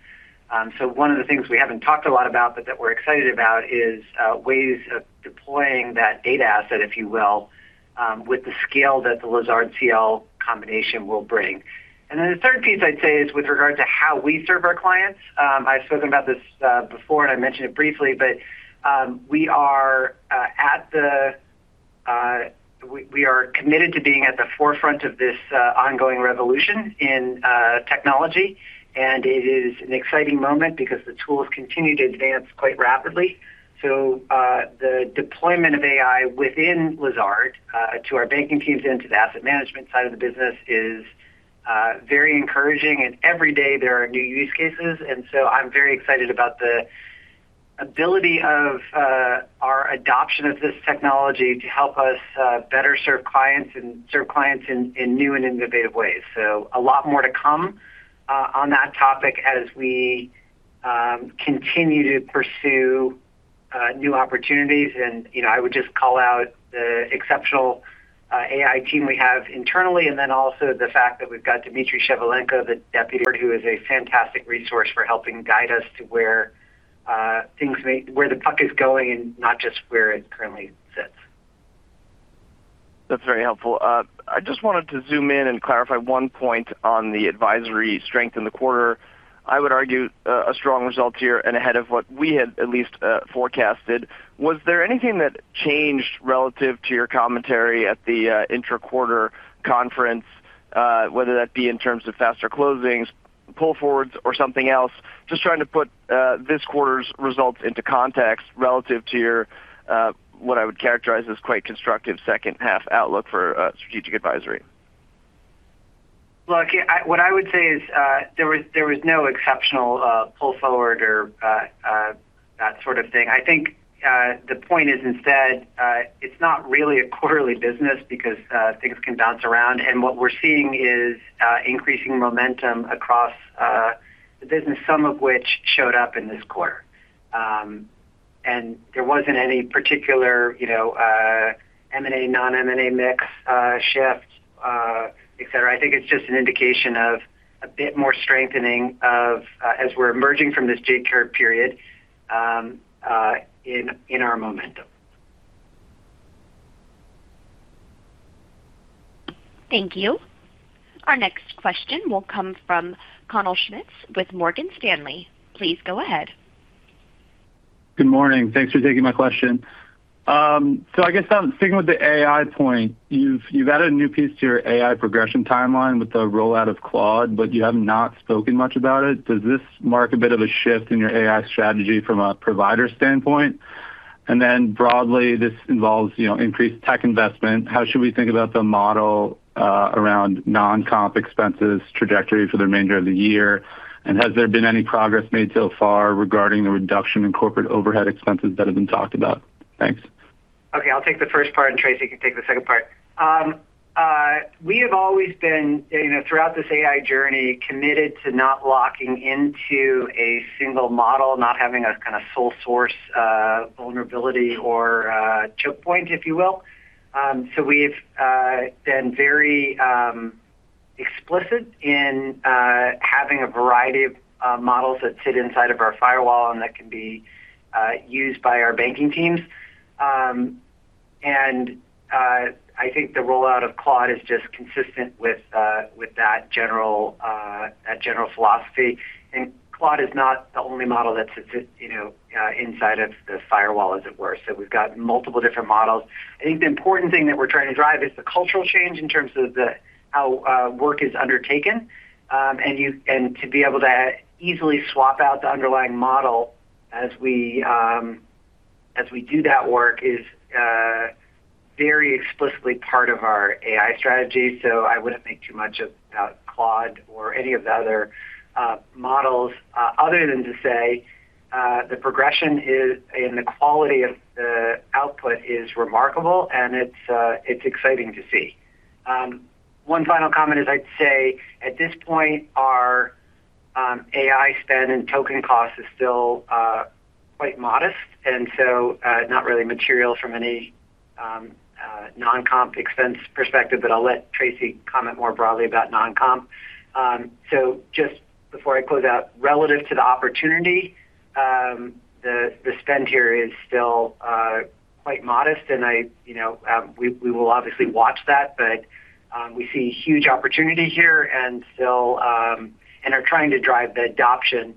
One of the things we haven't talked a lot about but that we're excited about is ways of deploying that data asset, if you will, with the scale that the Lazard CL combination will bring. The third piece I'd say is with regard to how we serve our clients. I've spoken about this before, and I mentioned it briefly, but we are committed to being at the forefront of this ongoing revolution in technology, and it is an exciting moment because the tools continue to advance quite rapidly. The deployment of AI within Lazard to our banking teams and to the Asset Management side of the business is very encouraging. Every day there are new use cases. I'm very excited about the ability of our adoption of this technology to help us better serve clients and serve clients in new and innovative ways. A lot more to come on that topic as we continue to pursue new opportunities. I would just call out the exceptional AI team we have internally, and then also the fact that we've got Dmitry Shevelenko, the deputy board, who is a fantastic resource for helping guide us to where the puck is going and not just where it currently sits. That's very helpful. I just wanted to zoom in and clarify one point on the advisory strength in the quarter. I would argue a strong result here and ahead of what we had at least forecasted. Was there anything that changed relative to your commentary at the intra-quarter conference whether that be in terms of faster closings, pull forwards or something else? Just trying to put this quarter's results into context relative to your, what I would characterize as quite constructive second half outlook for strategic advisory. What I would say is there was no exceptional pull forward or that sort of thing. The point is instead it's not really a quarterly business because things can bounce around. What we're seeing is increasing momentum across the business, some of which showed up in this quarter. There wasn't any particular M&A, non-M&A mix shift et cetera. It's just an indication of a bit more strengthening as we're emerging from this J-curve period in our momentum. Thank you. Our next question will come from Connell Schmitz with Morgan Stanley. Please go ahead. Good morning. Thanks for taking my question. I'm sticking with the AI point. You've added a new piece to your AI progression timeline with the rollout of Claude, but you have not spoken much about it. Does this mark a bit of a shift in your AI strategy from a provider standpoint? Broadly, this involves increased tech investment. How should we think about the model around non-comp expenses trajectory for the remainder of the year? Has there been any progress made so far regarding the reduction in corporate overhead expenses that have been talked about? Thanks. I'll take the first part and Tracy can take the second part. We have always been, throughout this AI journey, committed to not locking into a single model, not having a kind of sole source vulnerability or choke point, if you will. We've been very explicit in having a variety of models that sit inside of our firewall and that can be used by our banking teams. I think the rollout of Claude is just consistent with that general philosophy. Claude is not the only model that sits inside of the firewall, as it were. We've got multiple different models. I think the important thing that we're trying to drive is the cultural change in terms of how work is undertaken. To be able to easily swap out the underlying model as we do that work is very explicitly part of our AI strategy. I wouldn't make too much about Claude or any of the other models other than to say the progression and the quality of the output is remarkable, and it's exciting to see. One final comment is I'd say at this point, our AI spend and token cost is still quite modest, not really material from any non-comp expense perspective. I'll let Tracy comment more broadly about non-comp. Just before I close out, relative to the opportunity, the spend here is still quite modest. We will obviously watch that. We see huge opportunity here and are trying to drive the adoption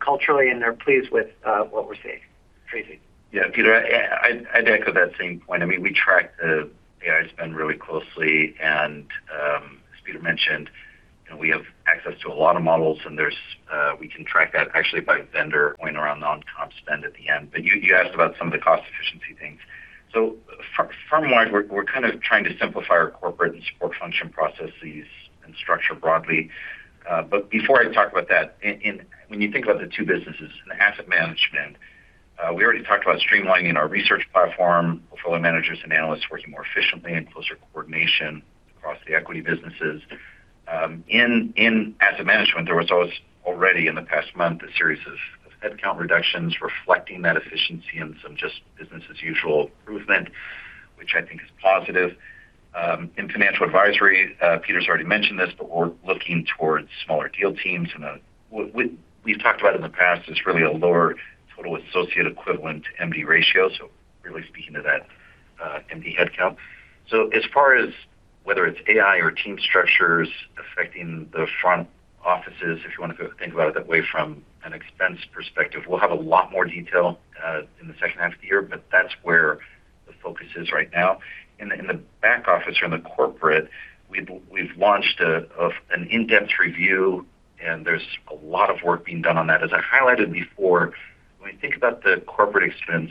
culturally, and are pleased with what we're seeing. Tracy. Peter, I'd echo that same point. We track the AI spend really closely. As Peter mentioned, we have access to a lot of models, we can track that actually by vendor going around non-comp spend at the end. You asked about some of the cost efficiency things. Firm-wise, we're kind of trying to simplify our corporate and support function processes and structure broadly. Before I talk about that, when you think about the two businesses, in Asset Management, we already talked about streamlining our research platform, portfolio managers and analysts working more efficiently and closer coordination across the equity businesses. In Asset Management, there was already in the past month a series of headcount reductions reflecting that efficiency and some just business as usual improvement, which I think is positive. In Financial Advisory, Peter's already mentioned this, we're looking towards smaller deal teams. We've talked about in the past is really a lower total associate equivalent to MD ratio. Really speaking to that MD headcount. As far as whether it's AI or team structures affecting the front offices, if you want to think about it that way from an expense perspective, we'll have a lot more detail in the second half of the year, that's where the focus is right now. In the back office or in the corporate, we've launched an in-depth review, there's a lot of work being done on that. As I highlighted before, when we think about the corporate expense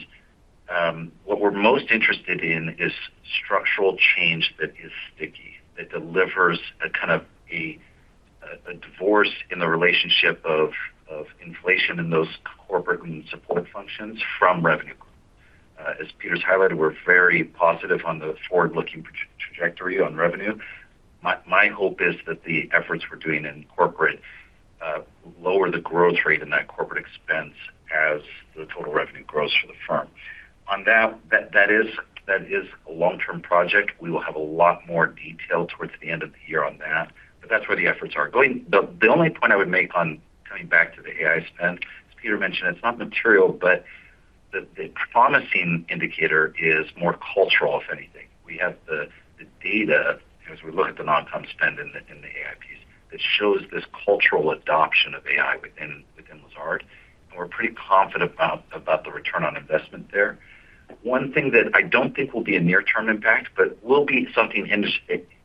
what we're most interested in is structural change that is sticky, that delivers a kind of divorce in the relationship of inflation in those corporate and support functions from revenue growth. As Peter's highlighted, we're very positive on the forward-looking trajectory on revenue. My hope is that the efforts we're doing in corporate lower the growth rate in that corporate expense as the total revenue grows for the firm. That is a long-term project. We will have a lot more detail towards the end of the year on that, but that's where the efforts are going. The only point I would make on coming back to the AI spend, as Peter mentioned, it's not material, but the promising indicator is more cultural, if anything. We have the data as we look at the non-comp spend in the AIPs that shows this cultural adoption of AI within Lazard, and we're pretty confident about the return on investment there. One thing that I don't think will be a near-term impact, but will be something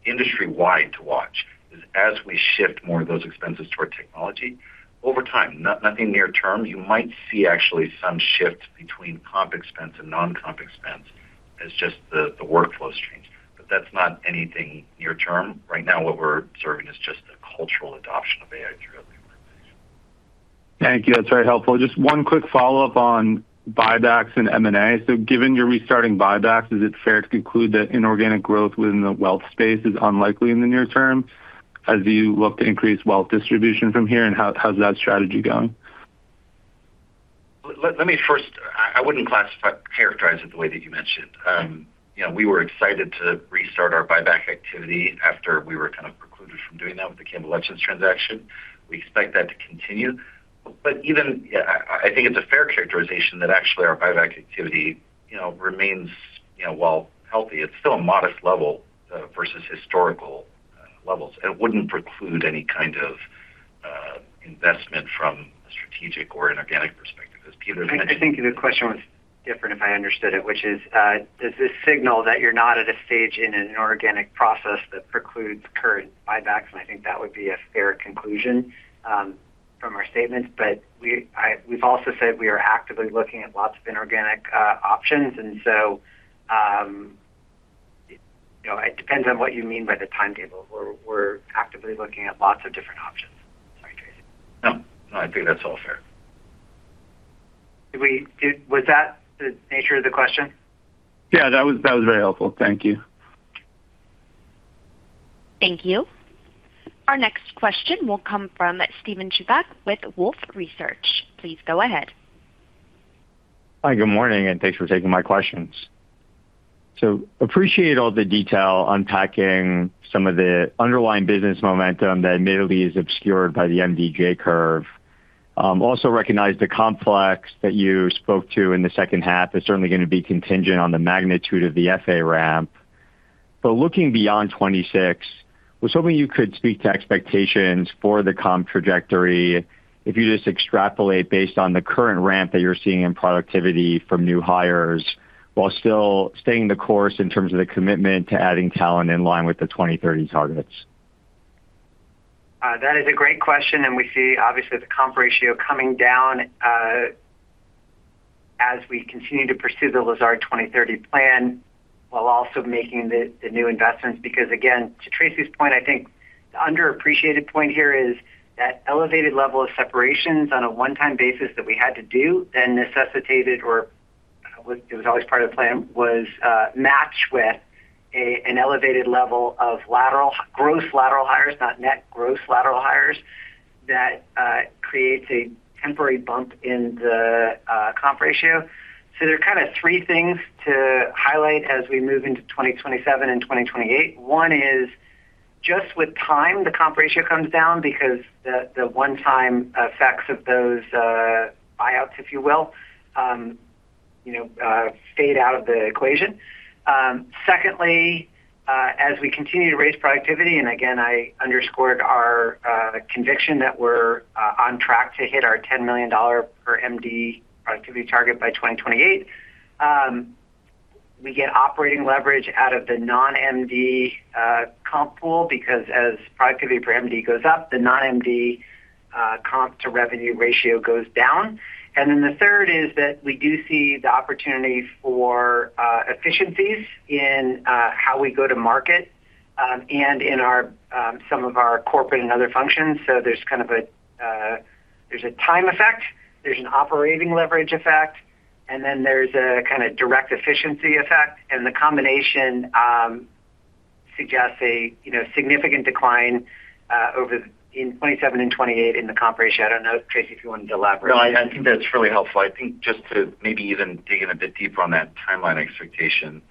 industry-wide to watch is as we shift more of those expenses toward technology over time, nothing near term, you might see actually some shift between comp expense and non-comp expense as just the workflow streams. That's not anything near term. Right now, what we're observing is just a cultural adoption of AI throughout the organization. Thank you. That's very helpful. Just one quick follow-up on buybacks and M&A. Given you're restarting buybacks, is it fair to conclude that inorganic growth within the wealth space is unlikely in the near term as you look to increase wealth distribution from here? How's that strategy going? I wouldn't classify, characterize it the way that you mentioned. We were excited to restart our buyback activity after we were kind of precluded from doing that with the Campbell Lutyens transaction. We expect that to continue. Even, I think it's a fair characterization that actually our buyback activity remains while healthy. It's still a modest level versus historical levels. It wouldn't preclude any kind of investment from a strategic or inorganic perspective, as Peter mentioned. I think the question was different, if I understood it, which is, does this signal that you're not at a stage in an inorganic process that precludes current buybacks? I think that would be a fair conclusion from our statements. We've also said we are actively looking at lots of inorganic options, so it depends on what you mean by the timetable. We're actively looking at lots of different options. Sorry, Tracy. No, I think that's all fair. Was that the nature of the question? Yeah, that was very helpful. Thank you. Thank you. Our next question will come from Steven Chubak with Wolfe Research. Please go ahead. Hi, good morning, and thanks for taking my questions. Appreciate all the detail unpacking some of the underlying business momentum that admittedly is obscured by the MD J-curve. Also recognize the comp flex that you spoke to in the second half is certainly going to be contingent on the magnitude of the FA ramp. Looking beyond 2026, I was hoping you could speak to expectations for the comp trajectory. If you just extrapolate based on the current ramp that you're seeing in productivity from new hires while still staying the course in terms of the commitment to adding talent in line with the 2030 targets. That is a great question. We see, obviously, the comp ratio coming down as we continue to pursue the Lazard 2030 plan while also making the new investments. Again, to Tracy's point, I think the underappreciated point here is that elevated level of separations on a one-time basis that we had to do then necessitated, or it was always part of the plan, was matched with an elevated level of gross lateral hires, not net, gross lateral hires. That creates a temporary bump in the comp ratio. There are kind of three things to highlight as we move into 2027 and 2028. One is just with time, the comp ratio comes down because the one-time effects of those buyouts, if you will, fade out of the equation. Secondly, as we continue to raise productivity, again, I underscored our conviction that we're on track to hit our $10 million per MD productivity target by 2028. We get operating leverage out of the non-MD comp pool because as productivity per MD goes up, the non-MD comp to revenue ratio goes down. The third is that we do see the opportunity for efficiencies in how we go to market and in some of our corporate and other functions. There's a time effect, there's an operating leverage effect, and then there's a kind of direct efficiency effect. The combination suggests a significant decline in 2027 and 2028 in the comp ratio. I don't know, Tracy, if you wanted to elaborate. I think that's really helpful. I think just to maybe even dig in a bit deeper on that timeline expectation.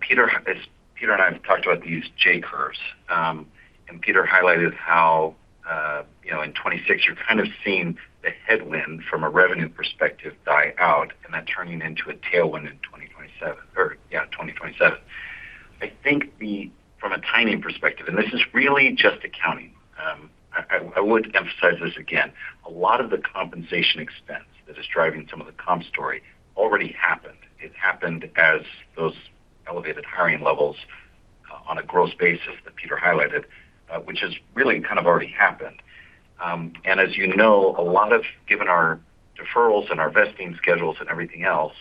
Peter and I have talked about these J-curves, Peter highlighted how in 2026 you're kind of seeing the headwind from a revenue perspective die out and that turning into a tailwind in 2027. Or yeah, 2027. I think from a timing perspective, this is really just accounting, I would emphasize this again, a lot of the compensation expense that is driving some of the comp story already happened. It happened as those elevated hiring levels on a gross basis that Peter highlighted, which has really kind of already happened. As you know, given our deferrals and our vesting schedules and everything else,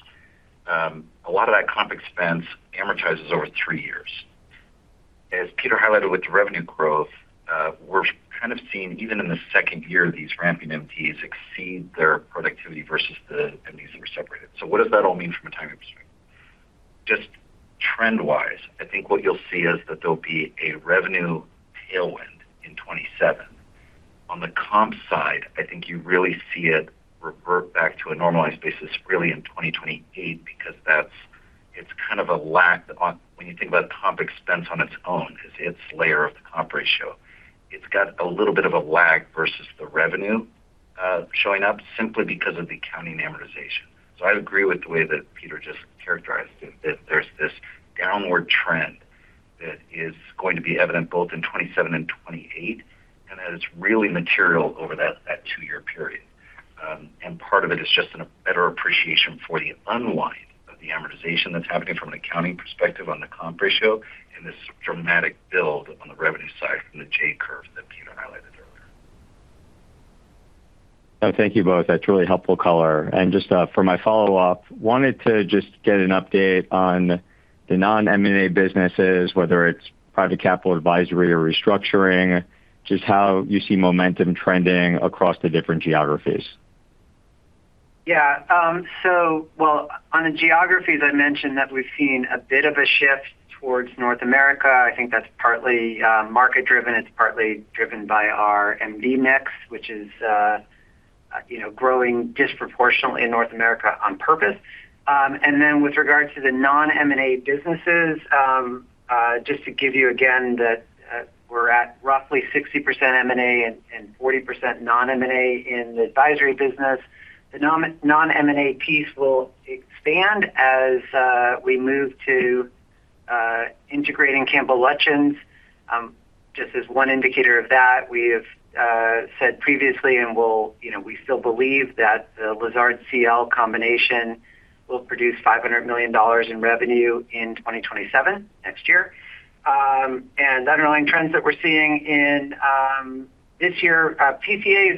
a lot of that comp expense amortizes over three years. As Peter highlighted with the revenue growth, we're kind of seeing even in the second year, these ramping MDs exceed their productivity versus the MDs that were separated. What does that all mean from a timing perspective? Just trend-wise, I think what you'll see is that there'll be a revenue tailwind in 2027. On the comp side, I think you really see it revert back to a normalized basis really in 2028 because it's kind of a lag. When you think about comp expense on its own as its layer of the comp ratio, it's got a little bit of a lag versus the revenue showing up simply because of the accounting amortization. I agree with the way that Peter just characterized it, that there's this downward trend that is going to be evident both in 2027 and 2028, and that it's really material over that two-year period. Part of it is just a better appreciation for the unwind of the amortization that's happening from an accounting perspective on the comp ratio and this dramatic build on the revenue side from the J-curve that Peter highlighted earlier. Thank you both. That's really helpful color. Just for my follow-up, wanted to just get an update on the non-M&A businesses, whether it's Private Capital Advisory or restructuring, just how you see momentum trending across the different geographies. Yeah. Well, on the geographies, I mentioned that we've seen a bit of a shift towards North America. I think that's partly market-driven. It's partly driven by our MD mix, which is growing disproportionately in North America on purpose. With regard to the non-M&A businesses, just to give you again that we're at roughly 60% M&A and 40% non-M&A in the advisory business. The non-M&A piece will expand as we move to integrating Campbell Lutyens. Just as one indicator of that, we have said previously, and we still believe that the Lazard CL combination will produce $500 million in revenue in 2027, next year. The underlying trends that we're seeing in this year, PCA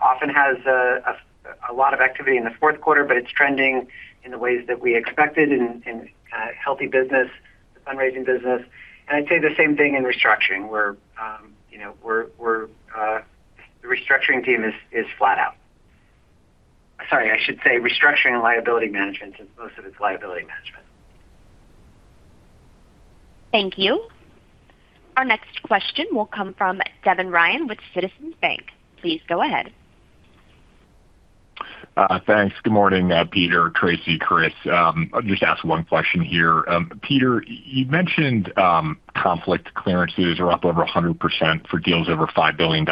often has a lot of activity in the fourth quarter, but it's trending in the ways that we expected in healthy business, the fundraising business. I'd say the same thing in restructuring. The restructuring team is flat out. Sorry, I should say restructuring and liability management since most of it's liability management. Thank you. Our next question will come from Devin Ryan with Citizens JMP. Please go ahead. Thanks. Good morning, Peter, Tracy, Chris. I'll just ask one question here. Peter, you mentioned conflict clearances are up over 100% for deals over $5 billion.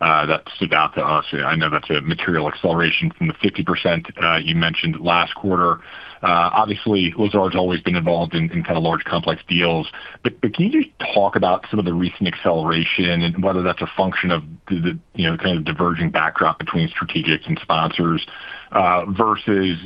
That stood out to us. I know that's a material acceleration from the 50% you mentioned last quarter. Obviously, Lazard's always been involved in kind of large, complex deals. Can you just talk about some of the recent acceleration and whether that's a function of the kind of diverging backdrop between strategics and sponsors versus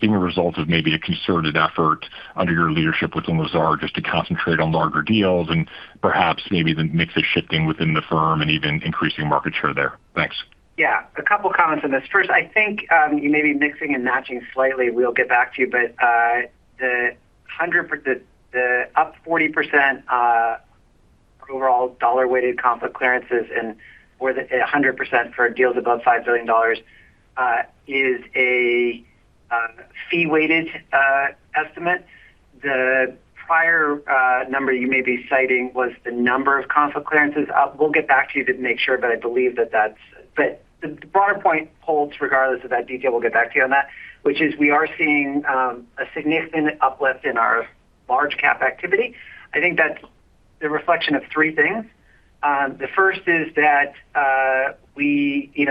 being a result of maybe a concerted effort under your leadership within Lazard just to concentrate on larger deals and perhaps maybe the mix is shifting within the firm and even increasing market share there? Thanks. Yeah. A couple comments on this. First, I think you may be mixing and matching slightly. We'll get back to you. The up 40% overall dollar-weighted conflict clearances and more than 100% for deals above $5 billion is a fee-weighted estimate. The prior number you may be citing was the number of conflict clearances up. We'll get back to you to make sure. The broader point holds regardless of that detail. We'll get back to you on that, which is we are seeing a significant uplift in our large cap activity. I think that's the reflection of three things. The first is that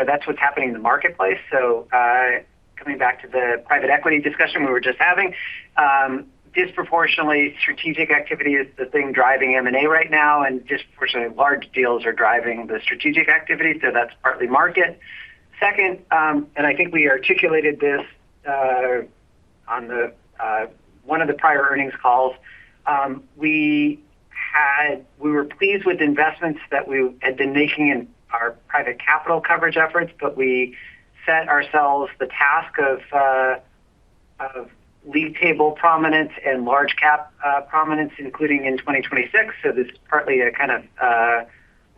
that's what's happening in the marketplace. Coming back to the private equity discussion we were just having, disproportionately strategic activity is the thing driving M&A right now, and disproportionately large deals are driving the strategic activity. That's partly market. Second, I think we articulated this on one of the prior earnings calls. We were pleased with the investments that we had been making in our private capital coverage efforts, but we set ourselves the task of lead table prominence and large cap prominence, including in 2026. This is partly a kind of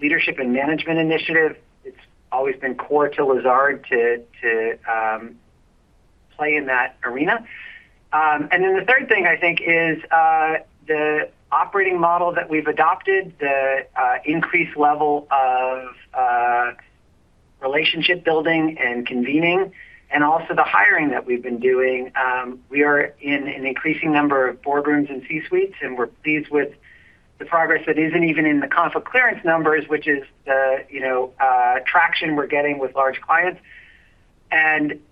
leadership and management initiative. It's always been core to Lazard to play in that arena. The third thing I think is the operating model that we've adopted, the increased level of relationship building and convening, and also the hiring that we've been doing. We are in an increasing number of boardrooms and C-suites, and we're pleased with the progress that isn't even in the conflict clearance numbers, which is the traction we're getting with large clients.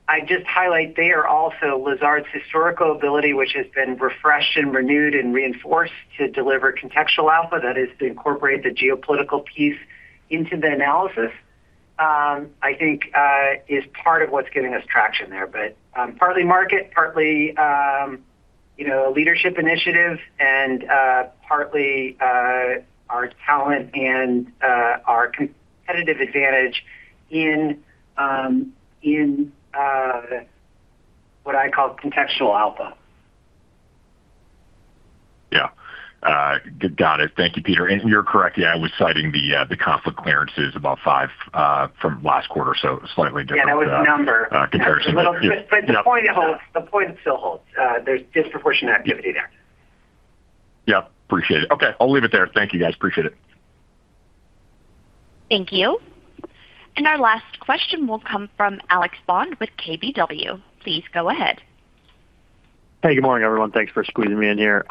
I'd just highlight there also Lazard's historical ability, which has been refreshed and renewed and reinforced to deliver contextual alpha, that is to incorporate the geopolitical piece into the analysis. I think is part of what's giving us traction there. Partly market, partly leadership initiative, and partly our talent and our competitive advantage in what I call contextual alpha. Yeah. Got it. Thank you, Peter. You're correct. Yeah, I was citing the conflict clearances about five from last quarter. Yeah, that was number comparison. Yeah. The point still holds. There's disproportionate activity there. Yeah. Appreciate it. Okay, I'll leave it there. Thank you, guys. Appreciate it. Thank you. Our last question will come from Alex Bond with KBW. Please go ahead. Hey, good morning, everyone. Thanks for squeezing me in here.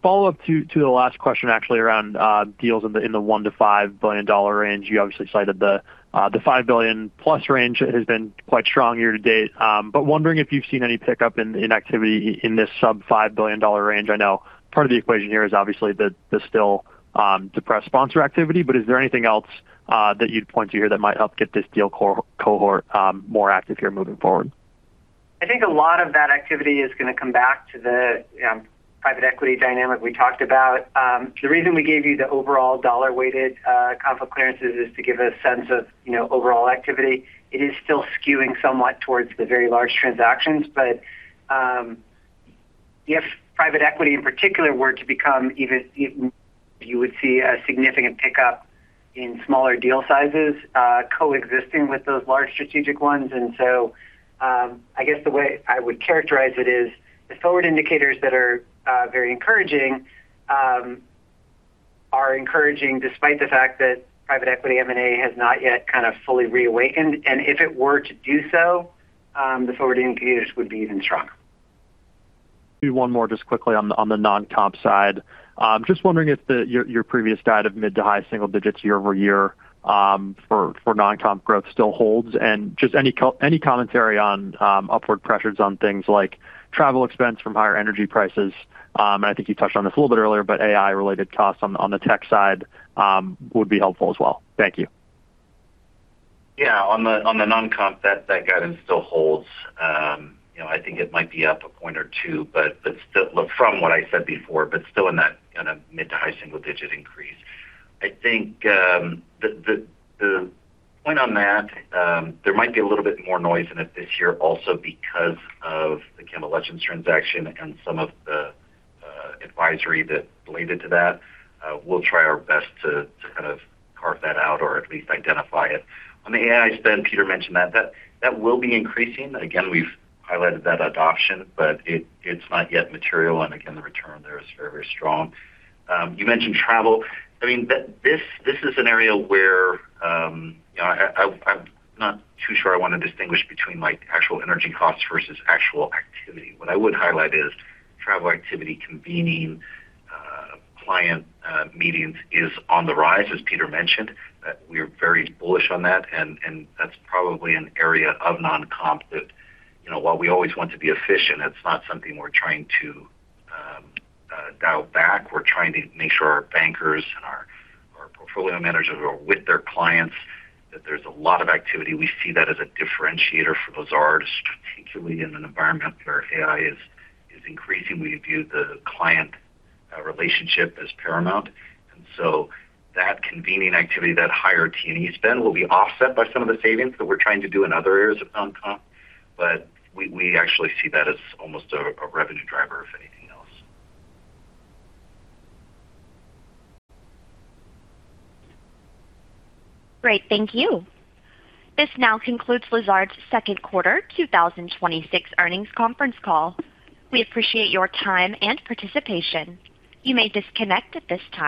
Follow-up to the last question actually around deals in the $1 billion-$5 billion range. You obviously cited the $5 billion-plus range has been quite strong year to date. Wondering if you've seen any pickup in activity in this sub $5 billion range. I know part of the equation here is obviously the still depressed sponsor activity. Is there anything else that you'd point to here that might help get this deal cohort more active here moving forward? I think a lot of that activity is going to come back to the private equity dynamic we talked about. The reason we gave you the overall dollar-weighted conflict clearances is to give a sense of overall activity. It is still skewing somewhat towards the very large transactions. If private equity in particular were to become even, you would see a significant pickup in smaller deal sizes coexisting with those large strategic ones. I guess the way I would characterize it is the forward indicators that are very encouraging are encouraging despite the fact that private equity M&A has not yet kind of fully reawakened. If it were to do so, the forward indicators would be even stronger. Do one more just quickly on the non-comp side. Just wondering if your previous guide of mid to high single digits year-over-year for non-comp growth still holds. Just any commentary on upward pressures on things like travel expense from higher energy prices. I think you touched on this a little bit earlier, AI-related costs on the tech side would be helpful as well. Thank you. Yeah. On the non-comp, that guidance still holds. I think it might be up a point or two from what I said before, but still in that mid to high single-digit increase. I think the point on that, there might be a little bit more noise in it this year also because of the Campbell Lutyens transaction and some of the advisory that's related to that. We'll try our best to kind of carve that out or at least identify it. On the AI spend, Peter mentioned that. That will be increasing. Again, we've highlighted that adoption, but it's not yet material. Again, the return there is very strong. You mentioned travel. This is an area where I'm not too sure I want to distinguish between actual energy costs versus actual activity. What I would highlight is travel activity, convening client meetings is on the rise, as Peter mentioned. We're very bullish on that. That's probably an area of non-comp that, while we always want to be efficient, it's not something we're trying to dial back. We're trying to make sure our bankers and our portfolio managers are with their clients, that there's a lot of activity. We see that as a differentiator for Lazard, particularly in an environment where AI is increasing. We view the client relationship as paramount. That convening activity, that higher T&E spend will be offset by some of the savings that we're trying to do in other areas of non-comp. We actually see that as almost a revenue driver, if anything else. Great. Thank you. This now concludes Lazard's second quarter 2026 earnings conference call. We appreciate your time and participation. You may disconnect at this time.